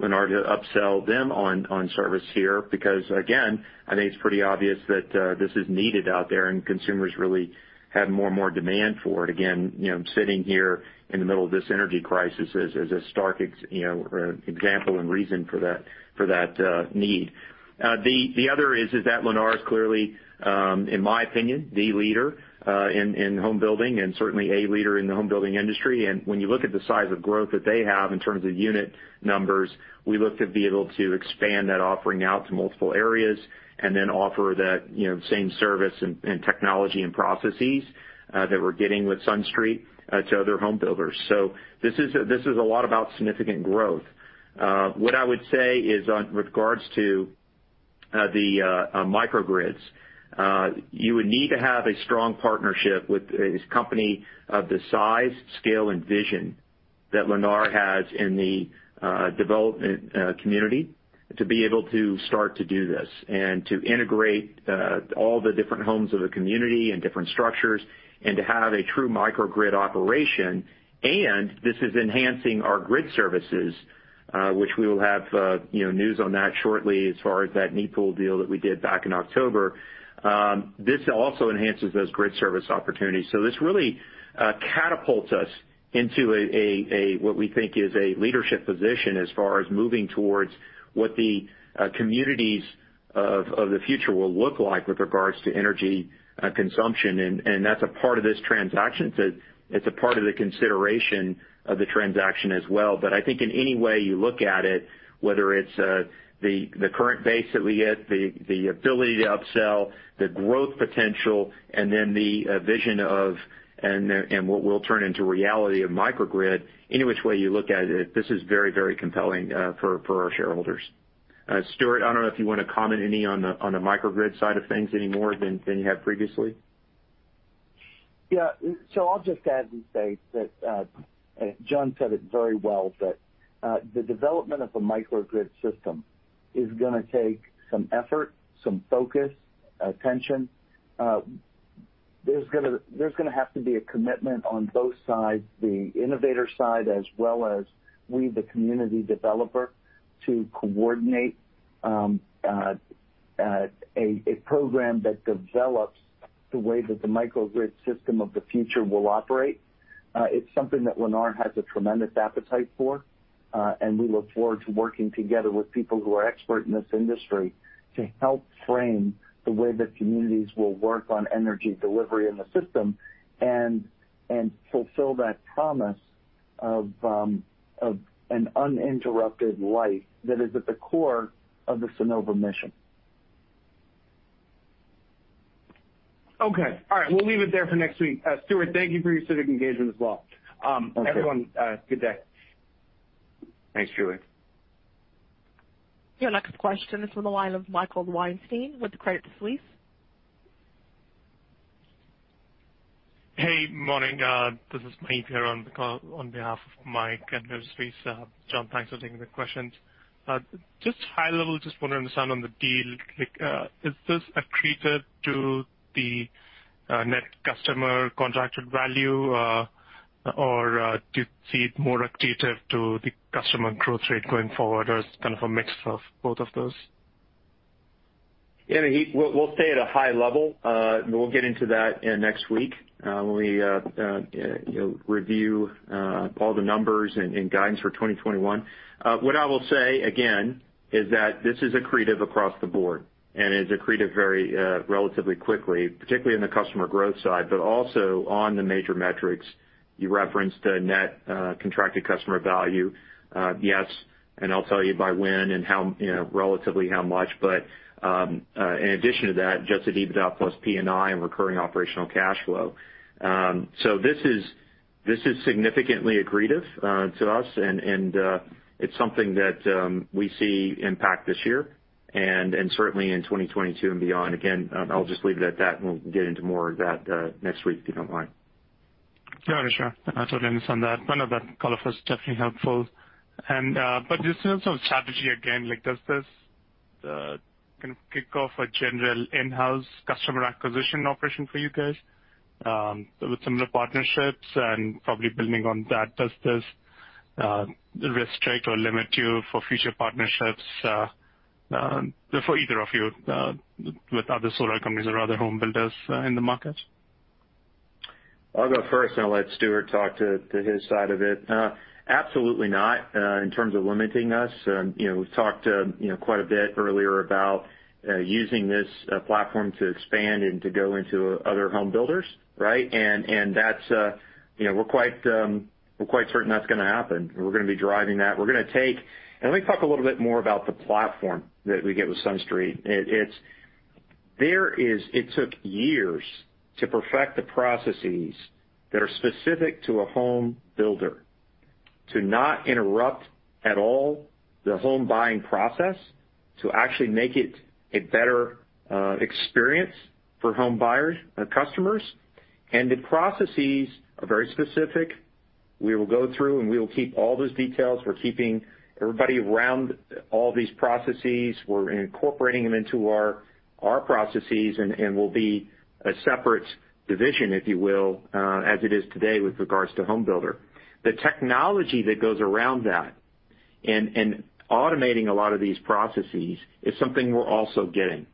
Lennar to upsell them on service here, because again, I think it's pretty obvious that this is needed out there, and consumers really have more and more demand for it. Again, sitting here in the middle of this energy crisis is a stark example and reason for that need. The other is that Lennar is clearly, in my opinion, the leader in home building and certainly a leader in the home building industry. When you look at the size of growth that they have in terms of unit numbers, we look to be able to expand that offering out to multiple areas and then offer that same service and technology and processes that we're getting with SunStreet to other home builders. This is a lot about significant growth. What I would say is on regards to the microgrids, you would need to have a strong partnership with a company of the size, scale, and vision that Lennar has in the development community to be able to start to do this and to integrate all the different homes of the community and different structures, and to have a true microgrid operation. This is enhancing our grid services, which we will have news on that shortly as far as that NEPOOL deal that we did back in October. This also enhances those grid service opportunities. This really catapults us into what we think is a leadership position as far as moving towards what the communities of the future will look like with regards to energy consumption, and that's a part of this transaction. It's a part of the consideration of the transaction as well. I think in any way you look at it, whether it's the current base that we get, the ability to upsell, the growth potential, and then the vision and what we'll turn into reality of microgrid. Any which way you look at it, this is very compelling for our shareholders. Stuart, I don't know if you want to comment any on the microgrid side of things any more than you have previously? I'll just add and say that John said it very well, that the development of a microgrid system is going to take some effort, some focus, attention. There's going to have to be a commitment on both sides, the innovator side, as well as we, the community developer, to coordinate a program that develops the way that the microgrid system of the future will operate. It's something that Lennar has a tremendous appetite for. We look forward to working together with people who are expert in this industry to help frame the way that communities will work on energy delivery in the system and fulfill that promise of an uninterrupted life that is at the core of the Sunnova mission. Okay. All right. We'll leave it there for next week. Stuart, thank you for your civic engagement as well. Okay. Everyone, good day. Thanks, Julien. Your next question is on the line of Michael Weinstein with Credit Suisse. Hey, morning. This is Maheep here on behalf of Mike at Credit Suisse. John, thanks for taking the questions. Just high level, just want to understand on the deal, is this accretive to the Net Contracted Customer Value? Or do you see it more accretive to the customer growth rate going forward, or is it kind of a mix of both of those? Yeah, Maheep. We'll stay at a high level. We'll get into that next week when we review all the numbers and guidance for 2021. What I will say, again, is that this is accretive across the Board and is accretive very relatively quickly, particularly in the customer growth side, but also on the major metrics. You referenced the Net Contracted Customer Value. Yes, and I'll tell you by when and relatively how much, but in addition to that, adjusted EBITDA plus P&I and recurring operational cash flow. This is significantly accretive to us, and it's something that we see impact this year and certainly in 2022 and beyond. Again, I'll just leave it at that, and we'll get into more of that next week, if you don't mind. Yeah, sure. That's what I understand that. No, that color was definitely helpful. Just also strategy again. Does this kind of kick off a general in-house customer acquisition operation for you guys with similar partnerships? Probably building on that, does this restrict or limit you for future partnerships for either of you with other solar companies or other home builders in the market? I'll go first, and I'll let Stuart talk to his side of it. Absolutely not, in terms of limiting us. We've talked quite a bit earlier about using this platform to expand and to go into other home builders, right? We're quite certain that's going to happen. We're going to be driving that. Let me talk a little bit more about the platform that we get with SunStreet. It took years to perfect the processes that are specific to a home builder to not interrupt at all the home buying process, to actually make it a better experience for home buyers and customers. The processes are very specific. We will go through, and we will keep all those details. We're keeping everybody around all these processes. We're incorporating them into our processes and will be a separate division, if you will, as it is today with regards to home builder. The technology that goes around that and automating a lot of these processes is something we're also getting.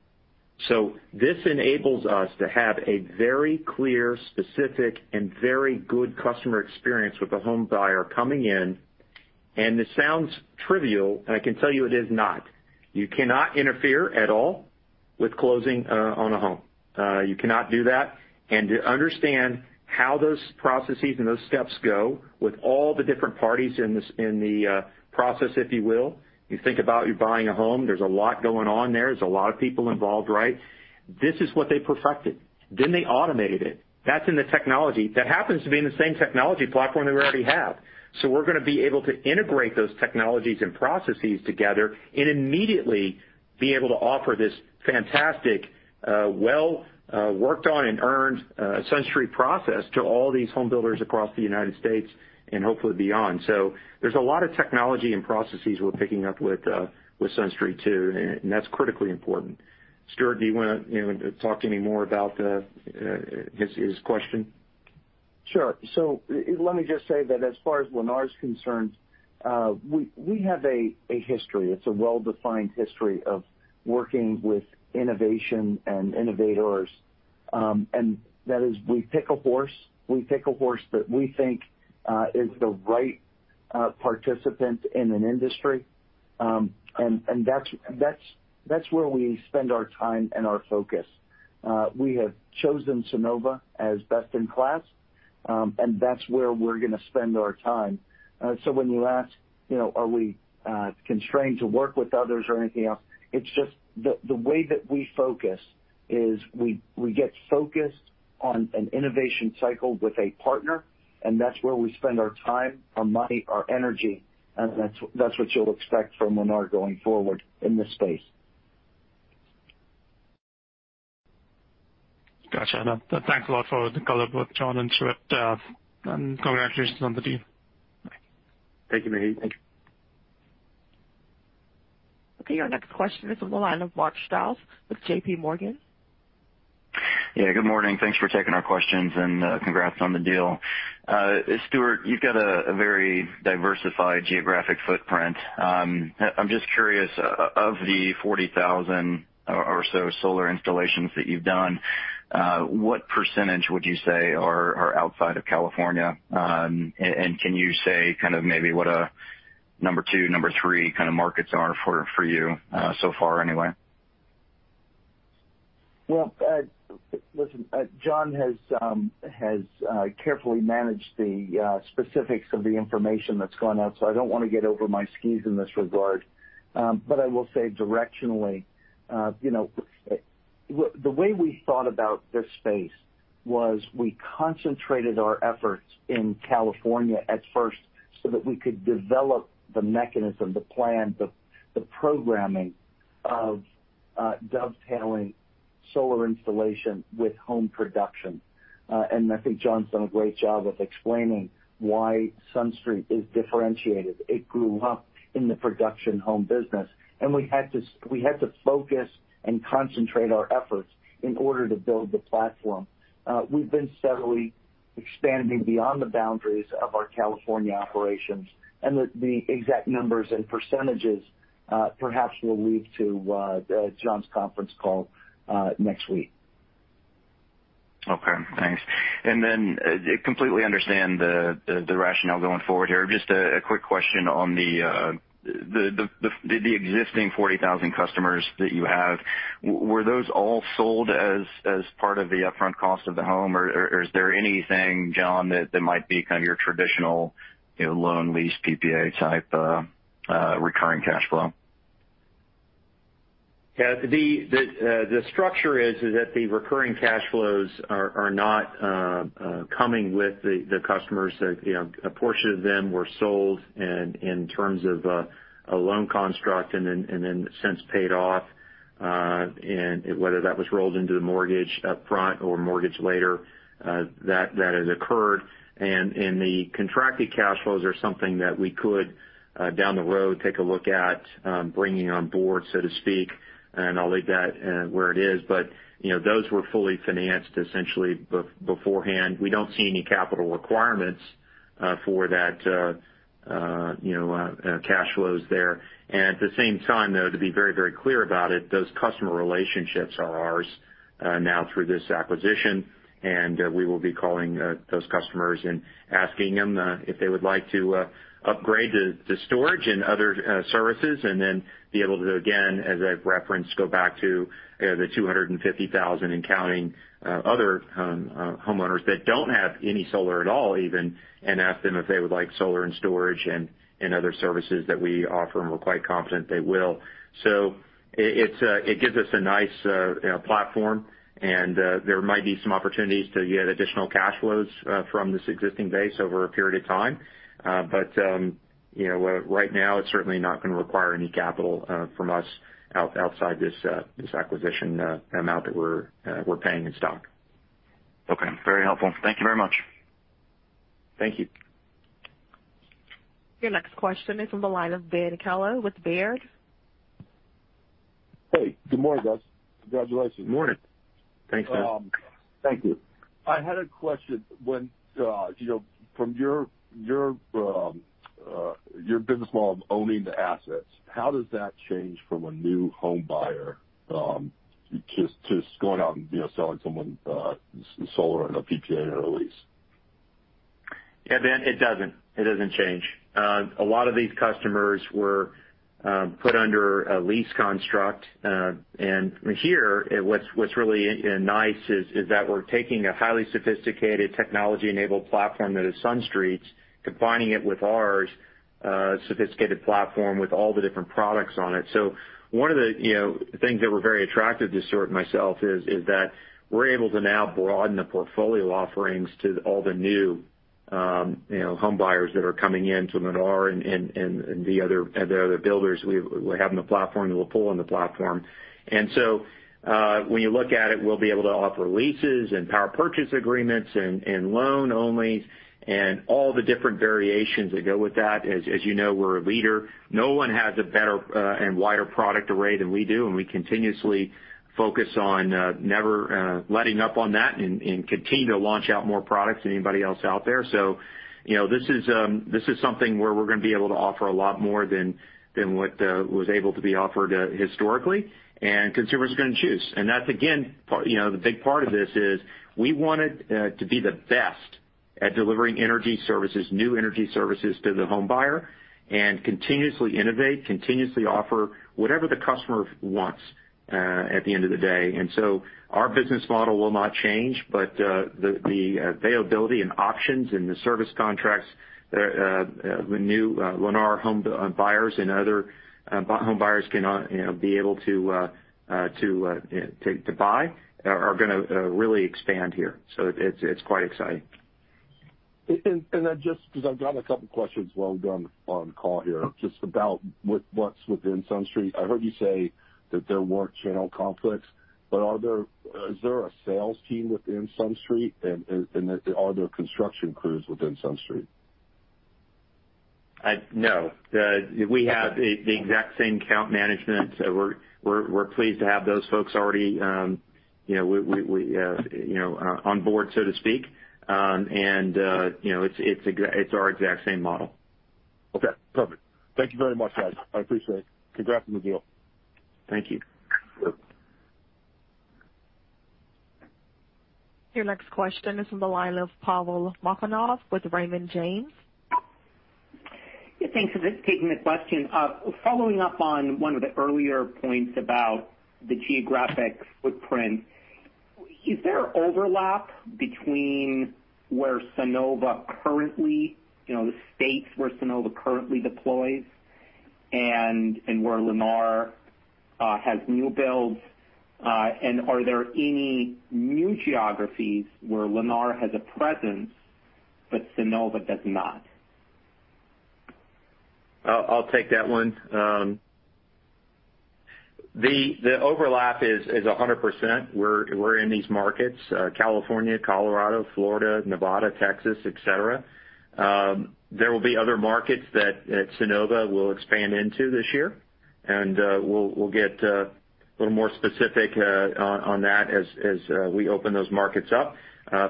This enables us to have a very clear, specific and very good customer experience with the home buyer coming in. This sounds trivial, and I can tell you it is not. You cannot interfere at all with closing on a home. You cannot do that. To understand how those processes and those steps go with all the different parties in the process, if you will. You think about you buying a home. There's a lot going on there. There's a lot of people involved, right? This is what they perfected. They automated it. That's in the technology. That happens to be in the same technology platform that we already have. We're going to be able to integrate those technologies and processes together and immediately be able to offer this fantastic, well worked on and earned SunStreet process to all these home builders across the United States and hopefully beyond. There's a lot of technology and processes we're picking up with SunStreet too, and that's critically important. Stuart, do you want to talk any more about his question? Sure. Let me just say that as far as Lennar is concerned, we have a history. It's a well-defined history of working with innovation and innovators. That is, we pick a horse that we think is the right participant in an industry and that's where we spend our time and our focus. We have chosen Sunnova as best in class, and that's where we're going to spend our time. When you ask, are we constrained to work with others or anything else, it's just the way that we focus is we get focused on an innovation cycle with a partner, and that's where we spend our time, our money, our energy, and that's what you'll expect from Lennar going forward in this space. Got you. Thanks a lot for the color both John and Stuart, and congratulations on the deal. Thank you, Maheep. Thank you. Okay. Your next question is on the line of Mark Strouse with JPMorgan. Yeah, good morning. Thanks for taking our questions and congrats on the deal. Stuart, you've got a very diversified geographic footprint. I'm just curious, of the 40,000 or so solar installations that you've done, what percentage would you say are outside of California? Can you say kind of maybe what a number two, number three kind of markets are for you so far anyway? Listen, John has carefully managed the specifics of the information that's gone out, so I don't want to get over my skis in this regard. I will say directionally the way we thought about this space was we concentrated our efforts in California at first so that we could develop the mechanism, the plan, the programming of dovetailing solar installation with home production. I think John's done a great job of explaining why SunStreet is differentiated. It grew up in the production home business, and we had to focus and concentrate our efforts in order to build the platform. We've been steadily expanding beyond the boundaries of our California operations, and the exact numbers and percentages perhaps we'll leave to John's conference call next week. Okay, thanks. Completely understand the rationale going forward here. Just a quick question on the existing 40,000 customers that you have. Were those all sold as part of the upfront cost of the home, or is there anything, John, that might be kind of your traditional loan lease PPA type recurring cash flow? The structure is that the recurring cash flows are not coming with the customers. A portion of them were sold and in terms of a loan construct and then since paid off. Whether that was rolled into the mortgage up front or mortgage later, that has occurred. The contracted cash flows are something that we could down the road take a look at bringing on Board, so to speak. I'll leave that where it is. Those were fully financed essentially beforehand. We don't see any capital requirements for that cash flows there. At the same time, though, to be very clear about it, those customer relationships are ours now through this acquisition. We will be calling those customers and asking them if they would like to upgrade to storage and other services and then be able to, again, as I've referenced, go back to the 250,000 and counting other homeowners that don't have any solar at all even, and ask them if they would like solar and storage and other services that we offer and we're quite confident they will. It gives us a nice platform and there might be some opportunities to get additional cash flows from this existing base over a period of time. Right now it's certainly not going to require any capital from us outside this acquisition amount that we're paying in stock. Okay. Very helpful. Thank you very much. Thank you. Your next question is on the line of Ben Kallo with Baird. Hey, good morning, guys. Congratulations. Morning. Thanks, man. Thank you. I had a question. From your business model of owning the assets, how does that change from a new home buyer just going out and selling someone solar and a PPA and a lease? Yeah, Ben, it doesn't. It doesn't change. A lot of these customers were put under a lease construct. Here, what's really nice is that we're taking a highly sophisticated technology-enabled platform that is SunStreet's, combining it with our sophisticated platform with all the different products on it. One of the things that were very attractive to Stuart and myself is that we're able to now broaden the portfolio offerings to all the new home buyers that are coming in to Lennar and the other builders. We have the platform, the pull in the platform. When you look at it, we'll be able to offer leases and power purchase agreements and loan-onlys and all the different variations that go with that. As you know, we're a leader. No one has a better and wider product array than we do. We continuously focus on never letting up on that and continue to launch out more products than anybody else out there. This is something where we're going to be able to offer a lot more than what was able to be offered historically. Consumers are going to choose. That's, again, the big part of this is we wanted to be the best at delivering energy services, new energy services to the homebuyer and continuously innovate, continuously offer whatever the customer wants at the end of the day. Our business model will not change, but the availability and options and the service contracts the new Lennar homebuyers and other homebuyers be able to buy are going to really expand here. It's quite exciting. Just because I've got a couple questions while we're on the call here, just about what's within SunStreet. I heard you say that there weren't channel conflicts, but is there a sales team within SunStreet, and are there construction crews within SunStreet? No. We have the exact same account management. We're pleased to have those folks already on Board, so to speak. It's our exact same model. Okay, perfect. Thank you very much, guys. I appreciate it. Congrats on the deal. Thank you. Your next question is from the line of Pavel Molchanov with Raymond James. Yeah, thanks. I'm just taking the question. Following up on one of the earlier points about the geographic footprint, is there overlap between where Sunnova currently, the states where Sunnova currently deploys and where Lennar has new builds? Are there any new geographies where Lennar has a presence, but Sunnova does not? I'll take that one. The overlap is 100%. We're in these markets: California, Colorado, Florida, Nevada, Texas, etc. There will be other markets that Sunnova will expand into this year, and we'll get a little more specific on that as we open those markets up.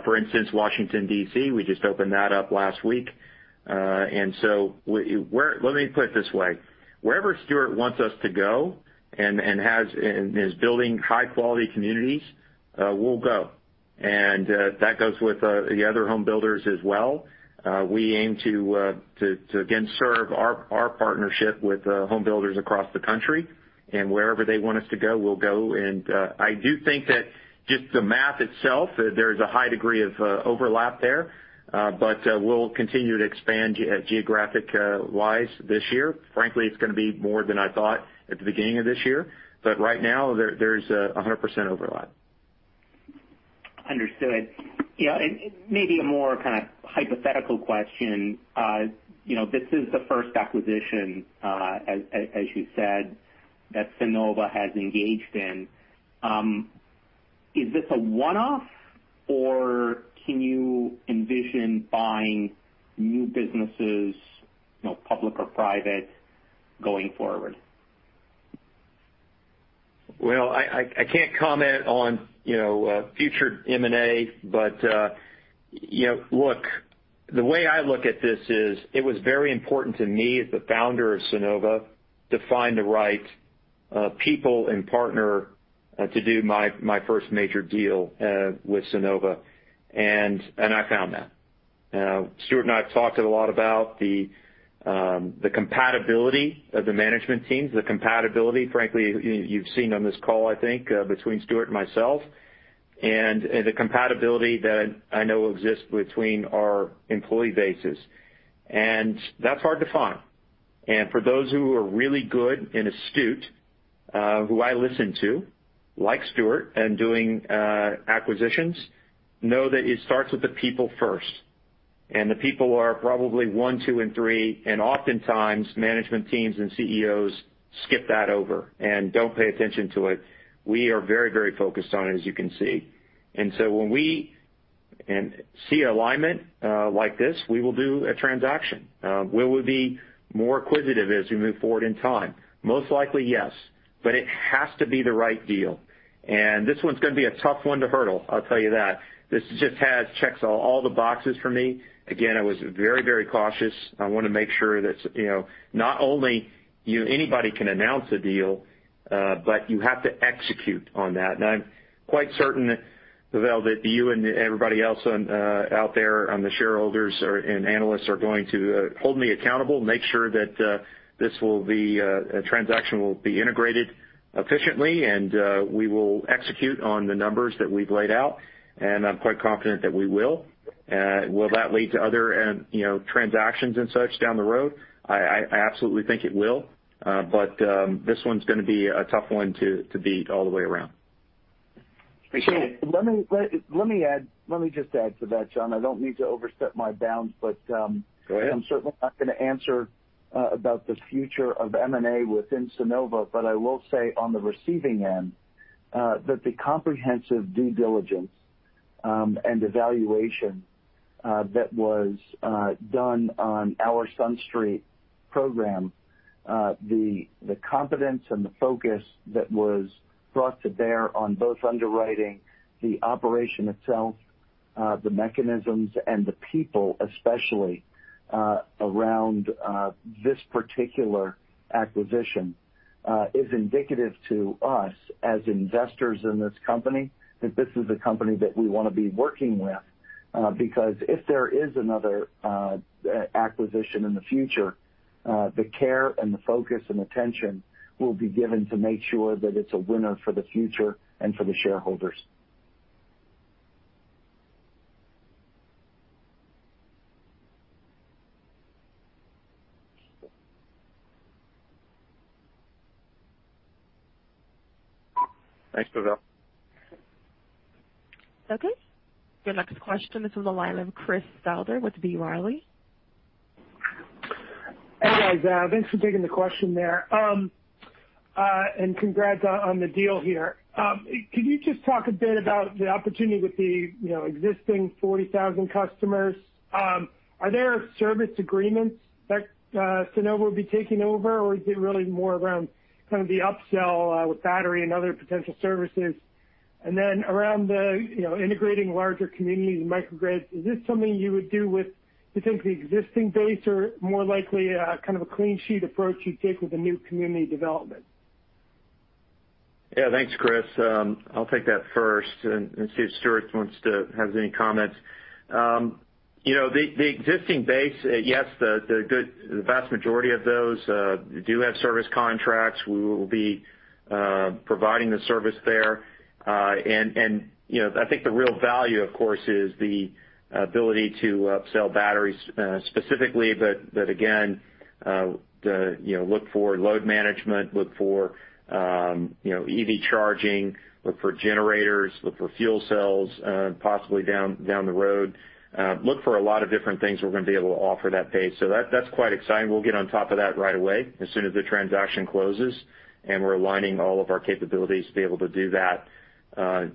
For instance, Washington, D.C., we just opened that up last week. Let me put it this way. Wherever Stuart wants us to go and is building high-quality communities, that we'll go. That goes with the other home builders as well. We aim to again serve our partnership with home builders across the country, and wherever they want us to go, we'll go. I do think that just the math itself, there's a high degree of overlap there. We'll continue to expand geographic-wise this year. Frankly, it's going to be more than I thought at the beginning of this year, but right now there is 100% overlap. Understood. Yeah, maybe a more kind of hypothetical question. This is the first acquisition, as you said, that Sunnova has engaged in. Is this a one-off, or can you envision buying new businesses, public or private, going forward? Well, I can't comment on future M&A. Look, the way I look at this is it was very important to me as the Founder of Sunnova to find the right people and partner to do my first major deal with Sunnova, and I found that. Stuart and I have talked a lot about the compatibility of the management teams, the compatibility, frankly, you've seen on this call, I think, between Stuart and myself, and the compatibility that I know exists between our employee bases. That's hard to find. For those who are really good and astute, who I listen to, like Stuart, and doing acquisitions, know that it starts with the people first. The people are probably one, two, and three, and oftentimes management teams and CEOs skip that over and don't pay attention to it. We are very focused on it, as you can see. When we see alignment like this, we will do a transaction. Will we be more acquisitive as we move forward in time? Most likely, yes. It has to be the right deal. This one's going to be a tough one to hurdle, I'll tell you that. This just checks all the boxes for me. Again, I was very cautious. I want to make sure that not only anybody can announce a deal, but you have to execute on that. I'm quite certain, Pavel, that you and everybody else out there on the shareholders and analysts are going to hold me accountable, make sure that the transaction will be integrated efficiently, and we will execute on the numbers that we've laid out. I'm quite confident that we will. Will that lead to other transactions and such down the road? I absolutely think it will. This one's going to be a tough one to beat all the way around. Appreciate it. Let me just add to that, John. I don't mean to overstep my bounds. Go ahead. I'm certainly not going to answer about the future of M&A within Sunnova, but I will say on the receiving end, that the comprehensive due diligence and evaluation that was done on our SunStreet program, the competence and the focus that was brought to bear on both underwriting the operation itself, the mechanisms, and the people, especially around this particular acquisition, is indicative to us as investors in this company that this is a company that we want to be working with. If there is another acquisition in the future, the care and the focus and attention will be given to make sure that it's a winner for the future and for the shareholders. Thanks, Pavel. Okay. Your next question is on the line of Chris Souther with B. Riley. Hey, guys. Thanks for taking the question there. Congrats on the deal here. Could you just talk a bit about the opportunity with the existing 40,000 customers? Are there service agreements that Sunnova will be taking over, or is it really more around kind of the upsell with battery and other potential services? Around the integrating larger communities and microgrids, is this something you would do with, you think, the existing base or more likely a kind of a clean sheet approach you'd take with a new community development? Yeah. Thanks, Chris. I'll take that first and see if Stuart has any comments. The existing base, yes, the vast majority of those do have service contracts. We will be providing the service there. I think the real value, of course, is the ability to upsell batteries specifically. Again, look for load management, look for EV charging, look for generators, look for fuel cells possibly down the road. Look for a lot of different things we're going to be able to offer that base. That's quite exciting. We'll get on top of that right away as soon as the transaction closes, and we're aligning all of our capabilities to be able to do that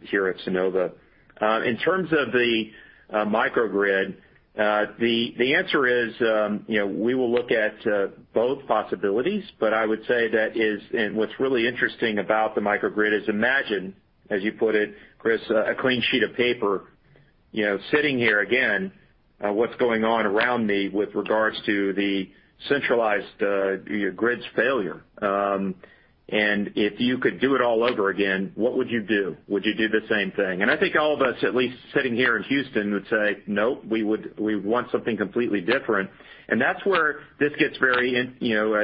here at Sunnova. In terms of the microgrid, the answer is, we will look at both possibilities, but I would say that what's really interesting about the microgrid is imagine, as you put it, Chris, a clean sheet of paper, sitting here again, what's going on around me with regards to the centralized grid's failure. If you could do it all over again, what would you do? Would you do the same thing? I think all of us, at least sitting here in Houston, would say, "Nope, we want something completely different." That's where this gets very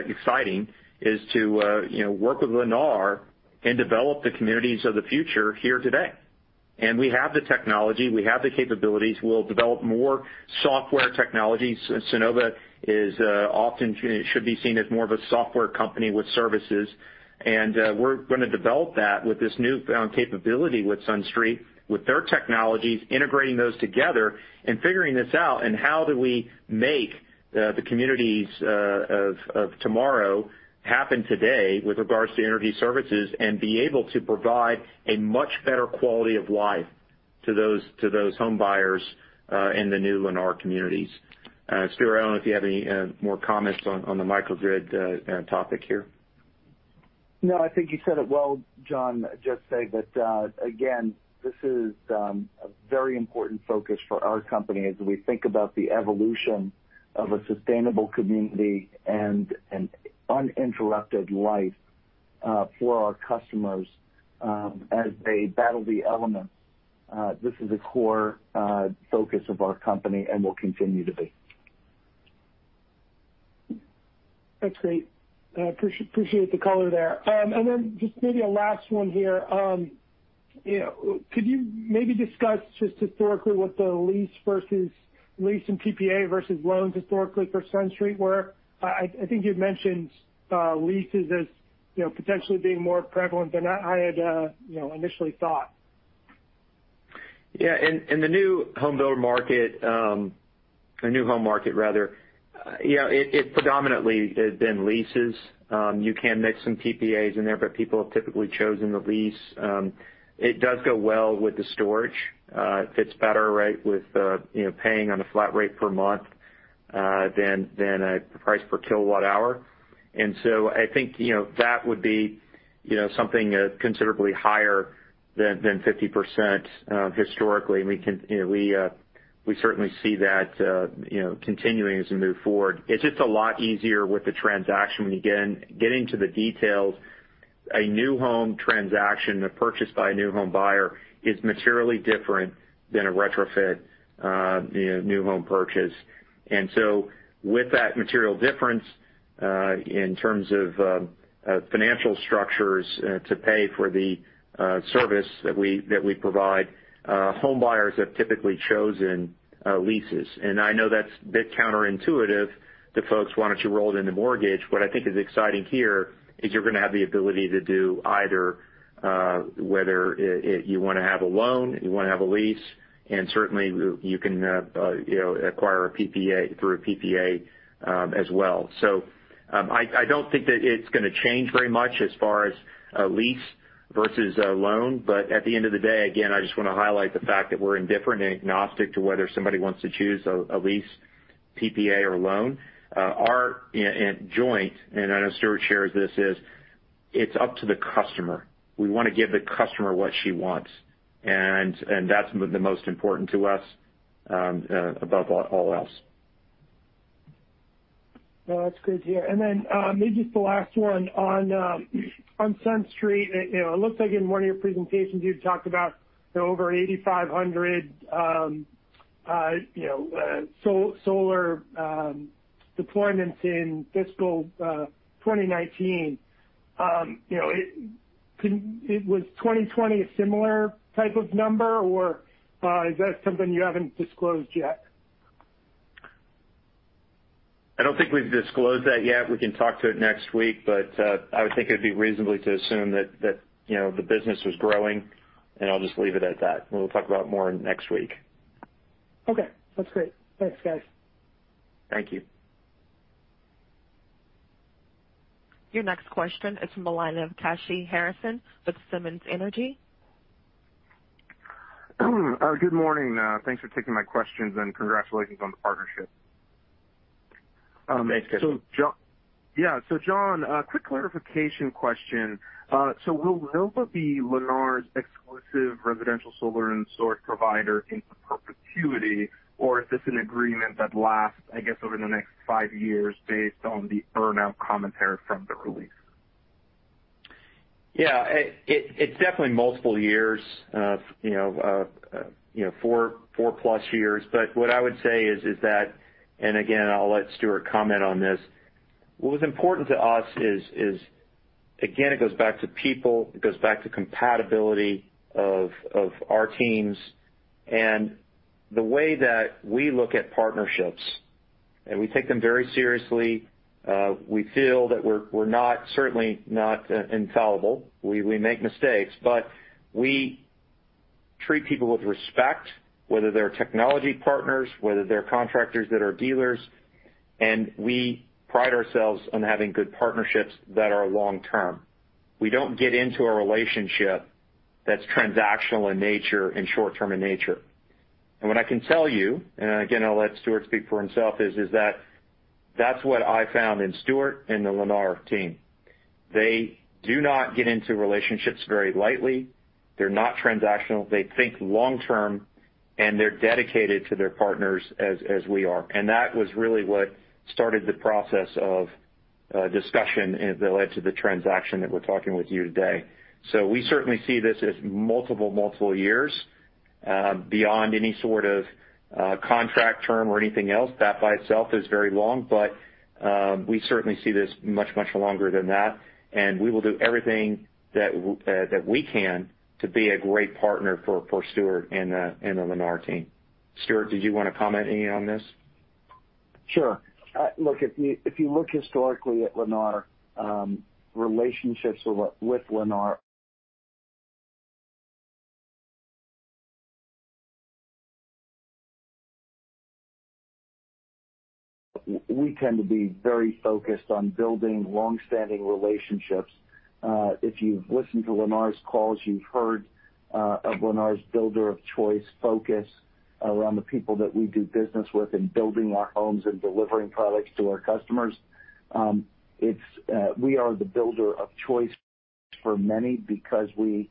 exciting is to work with Lennar and develop the communities of the future here today. We have the technology, we have the capabilities. We'll develop more software technologies. Sunnova often should be seen as more of a software company with services. We're going to develop that with this new found capability with SunStreet, with their technologies, integrating those together and figuring this out, and how do we make the communities of tomorrow happen today with regards to energy services and be able to provide a much better quality of life to those home buyers in the new Lennar communities. Stuart, I don't know if you have any more comments on the microgrid topic here. No, I think you said it well, John. Just say that, again, this is a very important focus for our company as we think about the evolution of a sustainable community and an uninterrupted life for our customers as they battle the elements. This is a core focus of our company and will continue to be. That's great. Appreciate the color there. Just maybe a last one here. Could you maybe discuss just historically what the lease and PPA versus loans historically for SunStreet were? I think you'd mentioned leases as potentially being more prevalent than I had initially thought. Yeah. In the new home market rather, it predominantly has been leases. You can mix some PPAs in there, but people have typically chosen the lease. It does go well with the storage. It fits better with paying on a flat rate per month than a price per kilowatt hour. I think that would be something considerably higher than 50% historically. We certainly see that continuing as we move forward. It's just a lot easier with the transaction when, again, getting to the details. A new home transaction, a purchase by a new home buyer is materially different than a retrofit new home purchase. With that material difference, in terms of financial structures to pay for the service that we provide, home buyers have typically chosen leases. I know that's a bit counterintuitive to folks. Why don't you roll it into mortgage? What I think is exciting here is you're going to have the ability to do either, whether you want to have a loan, you want to have a lease, and certainly you can acquire through a PPA as well. I don't think that it's going to change very much as far as a lease versus a loan. At the end of the day, again, I just want to highlight the fact that we're indifferent and agnostic to whether somebody wants to choose a lease, PPA, or loan. Our joint, and I know Stuart shares this, is it's up to the customer. We want to give the customer what she wants, and that's the most important to us above all else. No, that's good to hear. Maybe just the last one. On SunStreet, it looks like in one of your presentations you talked about over 8,500 solar deployments in fiscal 2019. Was 2020 a similar type of number, or is that something you haven't disclosed yet? I don't think we've disclosed that yet. We can talk to it next week, but I would think it would be reasonable to assume that the business was growing, and I'll just leave it at that, and we'll talk about it more next week. Okay, that's great. Thanks, guys. Thank you. Your next question is from the line of Kashy Harrison with Simmons Energy. Good morning. Thanks for taking my questions and congratulations on the partnership. Thanks. John, a quick clarification question. Will Sunnova be Lennar's exclusive residential solar and storage provider in perpetuity, or is this an agreement that lasts, I guess over the next five years based on the burnout commentary from the release? Yeah. It's definitely multiple years, 4+ years. What I would say is that, and again, I'll let Stuart comment on this. What was important to us is, again, it goes back to people, it goes back to compatibility of our teams and the way that we look at partnerships, and we take them very seriously. We feel that we're certainly not infallible. We make mistakes, but we treat people with respect, whether they're technology partners, whether they're contractors that are dealers, and we pride ourselves on having good partnerships that are long-term. We don't get into a relationship that's transactional in nature and short-term in nature. What I can tell you, and again, I'll let Stuart speak for himself, is that that's what I found in Stuart and the Lennar team. They do not get into relationships very lightly. They're not transactional. They think long-term, and they're dedicated to their partners as we are. That was really what started the process of discussion that led to the transaction that we're talking with you today. We certainly see this as multiple years, beyond any sort of contract term or anything else. That by itself is very long, but we certainly see this much longer than that, and we will do everything that we can to be a great partner for Stuart and the Lennar team. Stuart, did you want to comment any on this? Sure. If you look historically at Lennar, relationships with Lennar, we tend to be very focused on building long-standing relationships. If you've listened to Lennar's calls, you've heard of Lennar's builder of choice focus around the people that we do business with in building our homes and delivering products to our customers. We are the builder of choice for many because we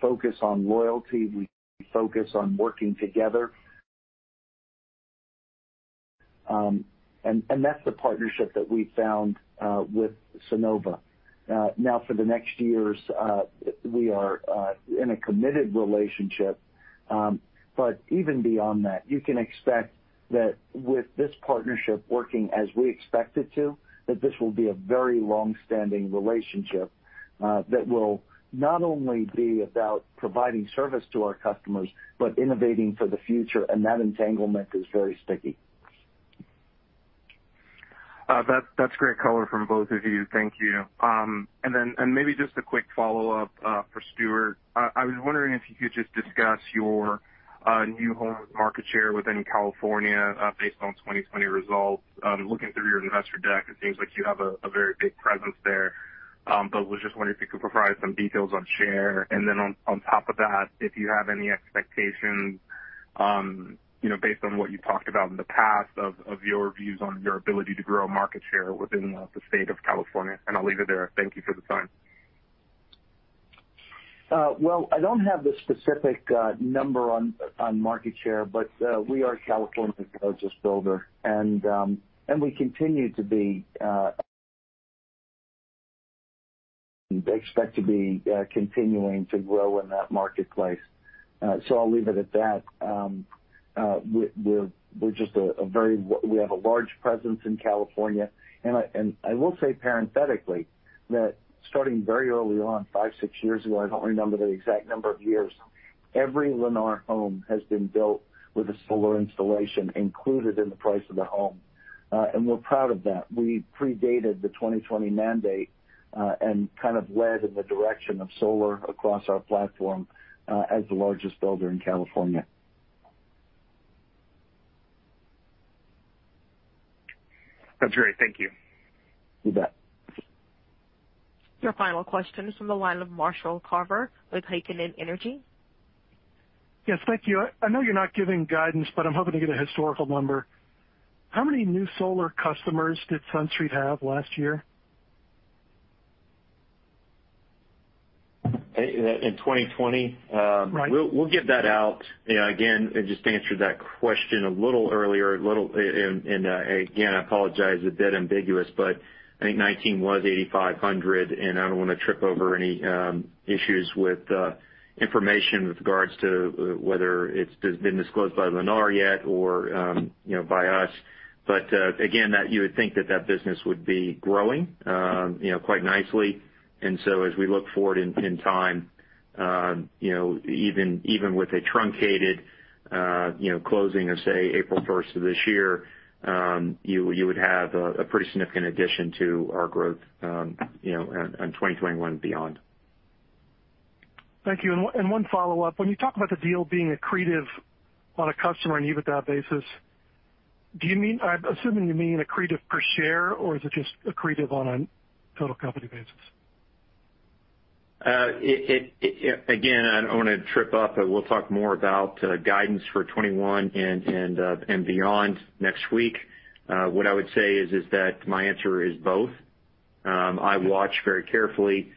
focus on loyalty, we focus on working together. That's the partnership that we found with Sunnova. Now for the next years, we are in a committed relationship. Even beyond that, you can expect that with this partnership working as we expect it to, that this will be a very long-standing relationship, that will not only be about providing service to our customers, but innovating for the future. That entanglement is very sticky. That's great color from both of you. Thank you. Then maybe just a quick follow-up for Stuart. I was wondering if you could just discuss your new home market share within California based on 2020 results. Looking through your investor deck, it seems like you have a very big presence there. Was just wondering if you could provide some details on share, and then on top of that, if you have any expectations, based on what you talked about in the past, of your views on your ability to grow market share within the State of California. I'll leave it there. Thank you for the time. I don't have the specific number on market share, but we are California's largest builder and we expect to be continuing to grow in that marketplace. I'll leave it at that. We have a large presence in California, I will say parenthetically that starting very early on, five, six years ago, I don't remember the exact number of years, every Lennar home has been built with a solar installation included in the price of the home. We're proud of that. We predated the 2020 mandate, kind of led in the direction of solar across our platform, as the largest builder in California. That's great. Thank you. You bet. Your final question is from the line of Marshall Carver with Heikkinen Energy Yes. Thank you. I know you're not giving guidance, but I'm hoping to get a historical number. How many new solar customers did SunStreet have last year? In 2020? Right. We'll get that out. Again, I just answered that question a little earlier, and again, I apologize, a bit ambiguous, but I think 2019 was 8,500, and I don't want to trip over any issues with information with regards to whether it's been disclosed by Lennar yet or by us. Again, you would think that that business would be growing quite nicely. As we look forward in time, even with a truncated closing of, say, April 1st of this year, you would have a pretty significant addition to our growth in 2021 and beyond. Thank you. One follow-up. When you talk about the deal being accretive on a customer and EBITDA basis, I'm assuming you mean accretive per share or is it just accretive on a total company basis? Again, I don't want to trip up, but we'll talk more about guidance for 2021 and beyond next week. What I would say is that my answer is both. I watch very carefully,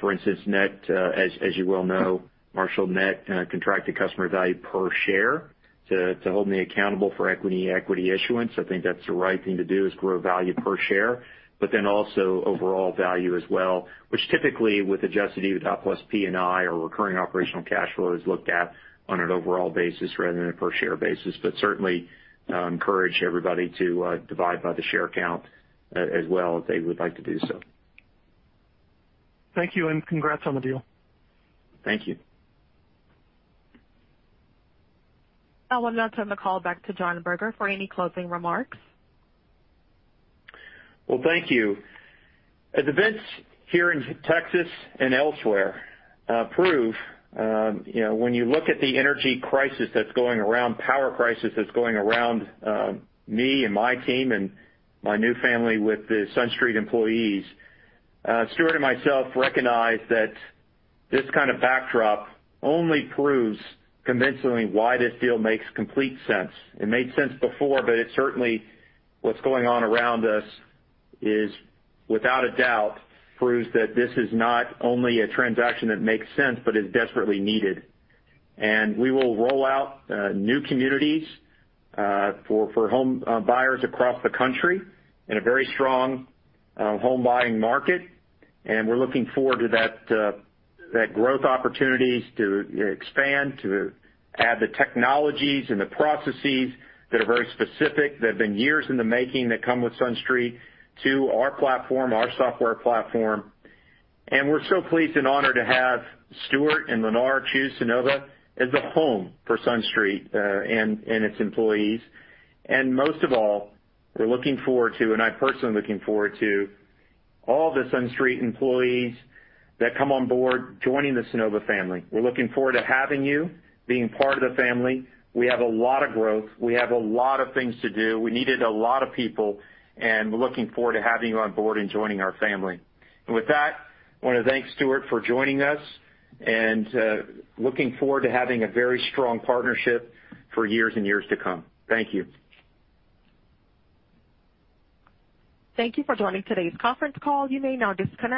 for instance, net, as you well know, Marshall, Net Contracted Customer Value per share to hold me accountable for equity issuance. I think that's the right thing to do, is grow value per share, but then also overall value as well, which typically with Adjusted EBITDA plus P&I or recurring operational cash flow is looked at on an overall basis rather than a per share basis. Certainly encourage everybody to divide by the share count as well if they would like to do so. Thank you, and congrats on the deal. Thank you. I will now turn the call back to John Berger for any closing remarks. Well, thank you. As events here in Texas and elsewhere prove, when you look at the energy crisis that's going around, power crisis that's going around me and my team and my new family with the SunStreet employees, Stuart, and myself recognize that this kind of backdrop only proves convincingly why this deal makes complete sense. It made sense before, it certainly, what's going on around us, without a doubt proves that this is not only a transaction that makes sense but is desperately needed. We will roll out new communities for home buyers across the country in a very strong home buying market. We're looking forward to that growth opportunities to expand, to add the technologies and the processes that are very specific, that have been years in the making that come with SunStreet to our platform, our software platform. We're so pleased and honored to have Stuart and Lennar choose Sunnova as the home for SunStreet, and its employees. Most of all, I'm personally looking forward to all the SunStreet employees that come on Board joining the Sunnova family. We're looking forward to having you being part of the family. We have a lot of growth. We have a lot of things to do. We needed a lot of people, and we're looking forward to having you on Board and joining our family. With that, I want to thank Stuart for joining us and looking forward to having a very strong partnership for years and years to come. Thank you. Thank you for joining today's conference call. You may now disconnect.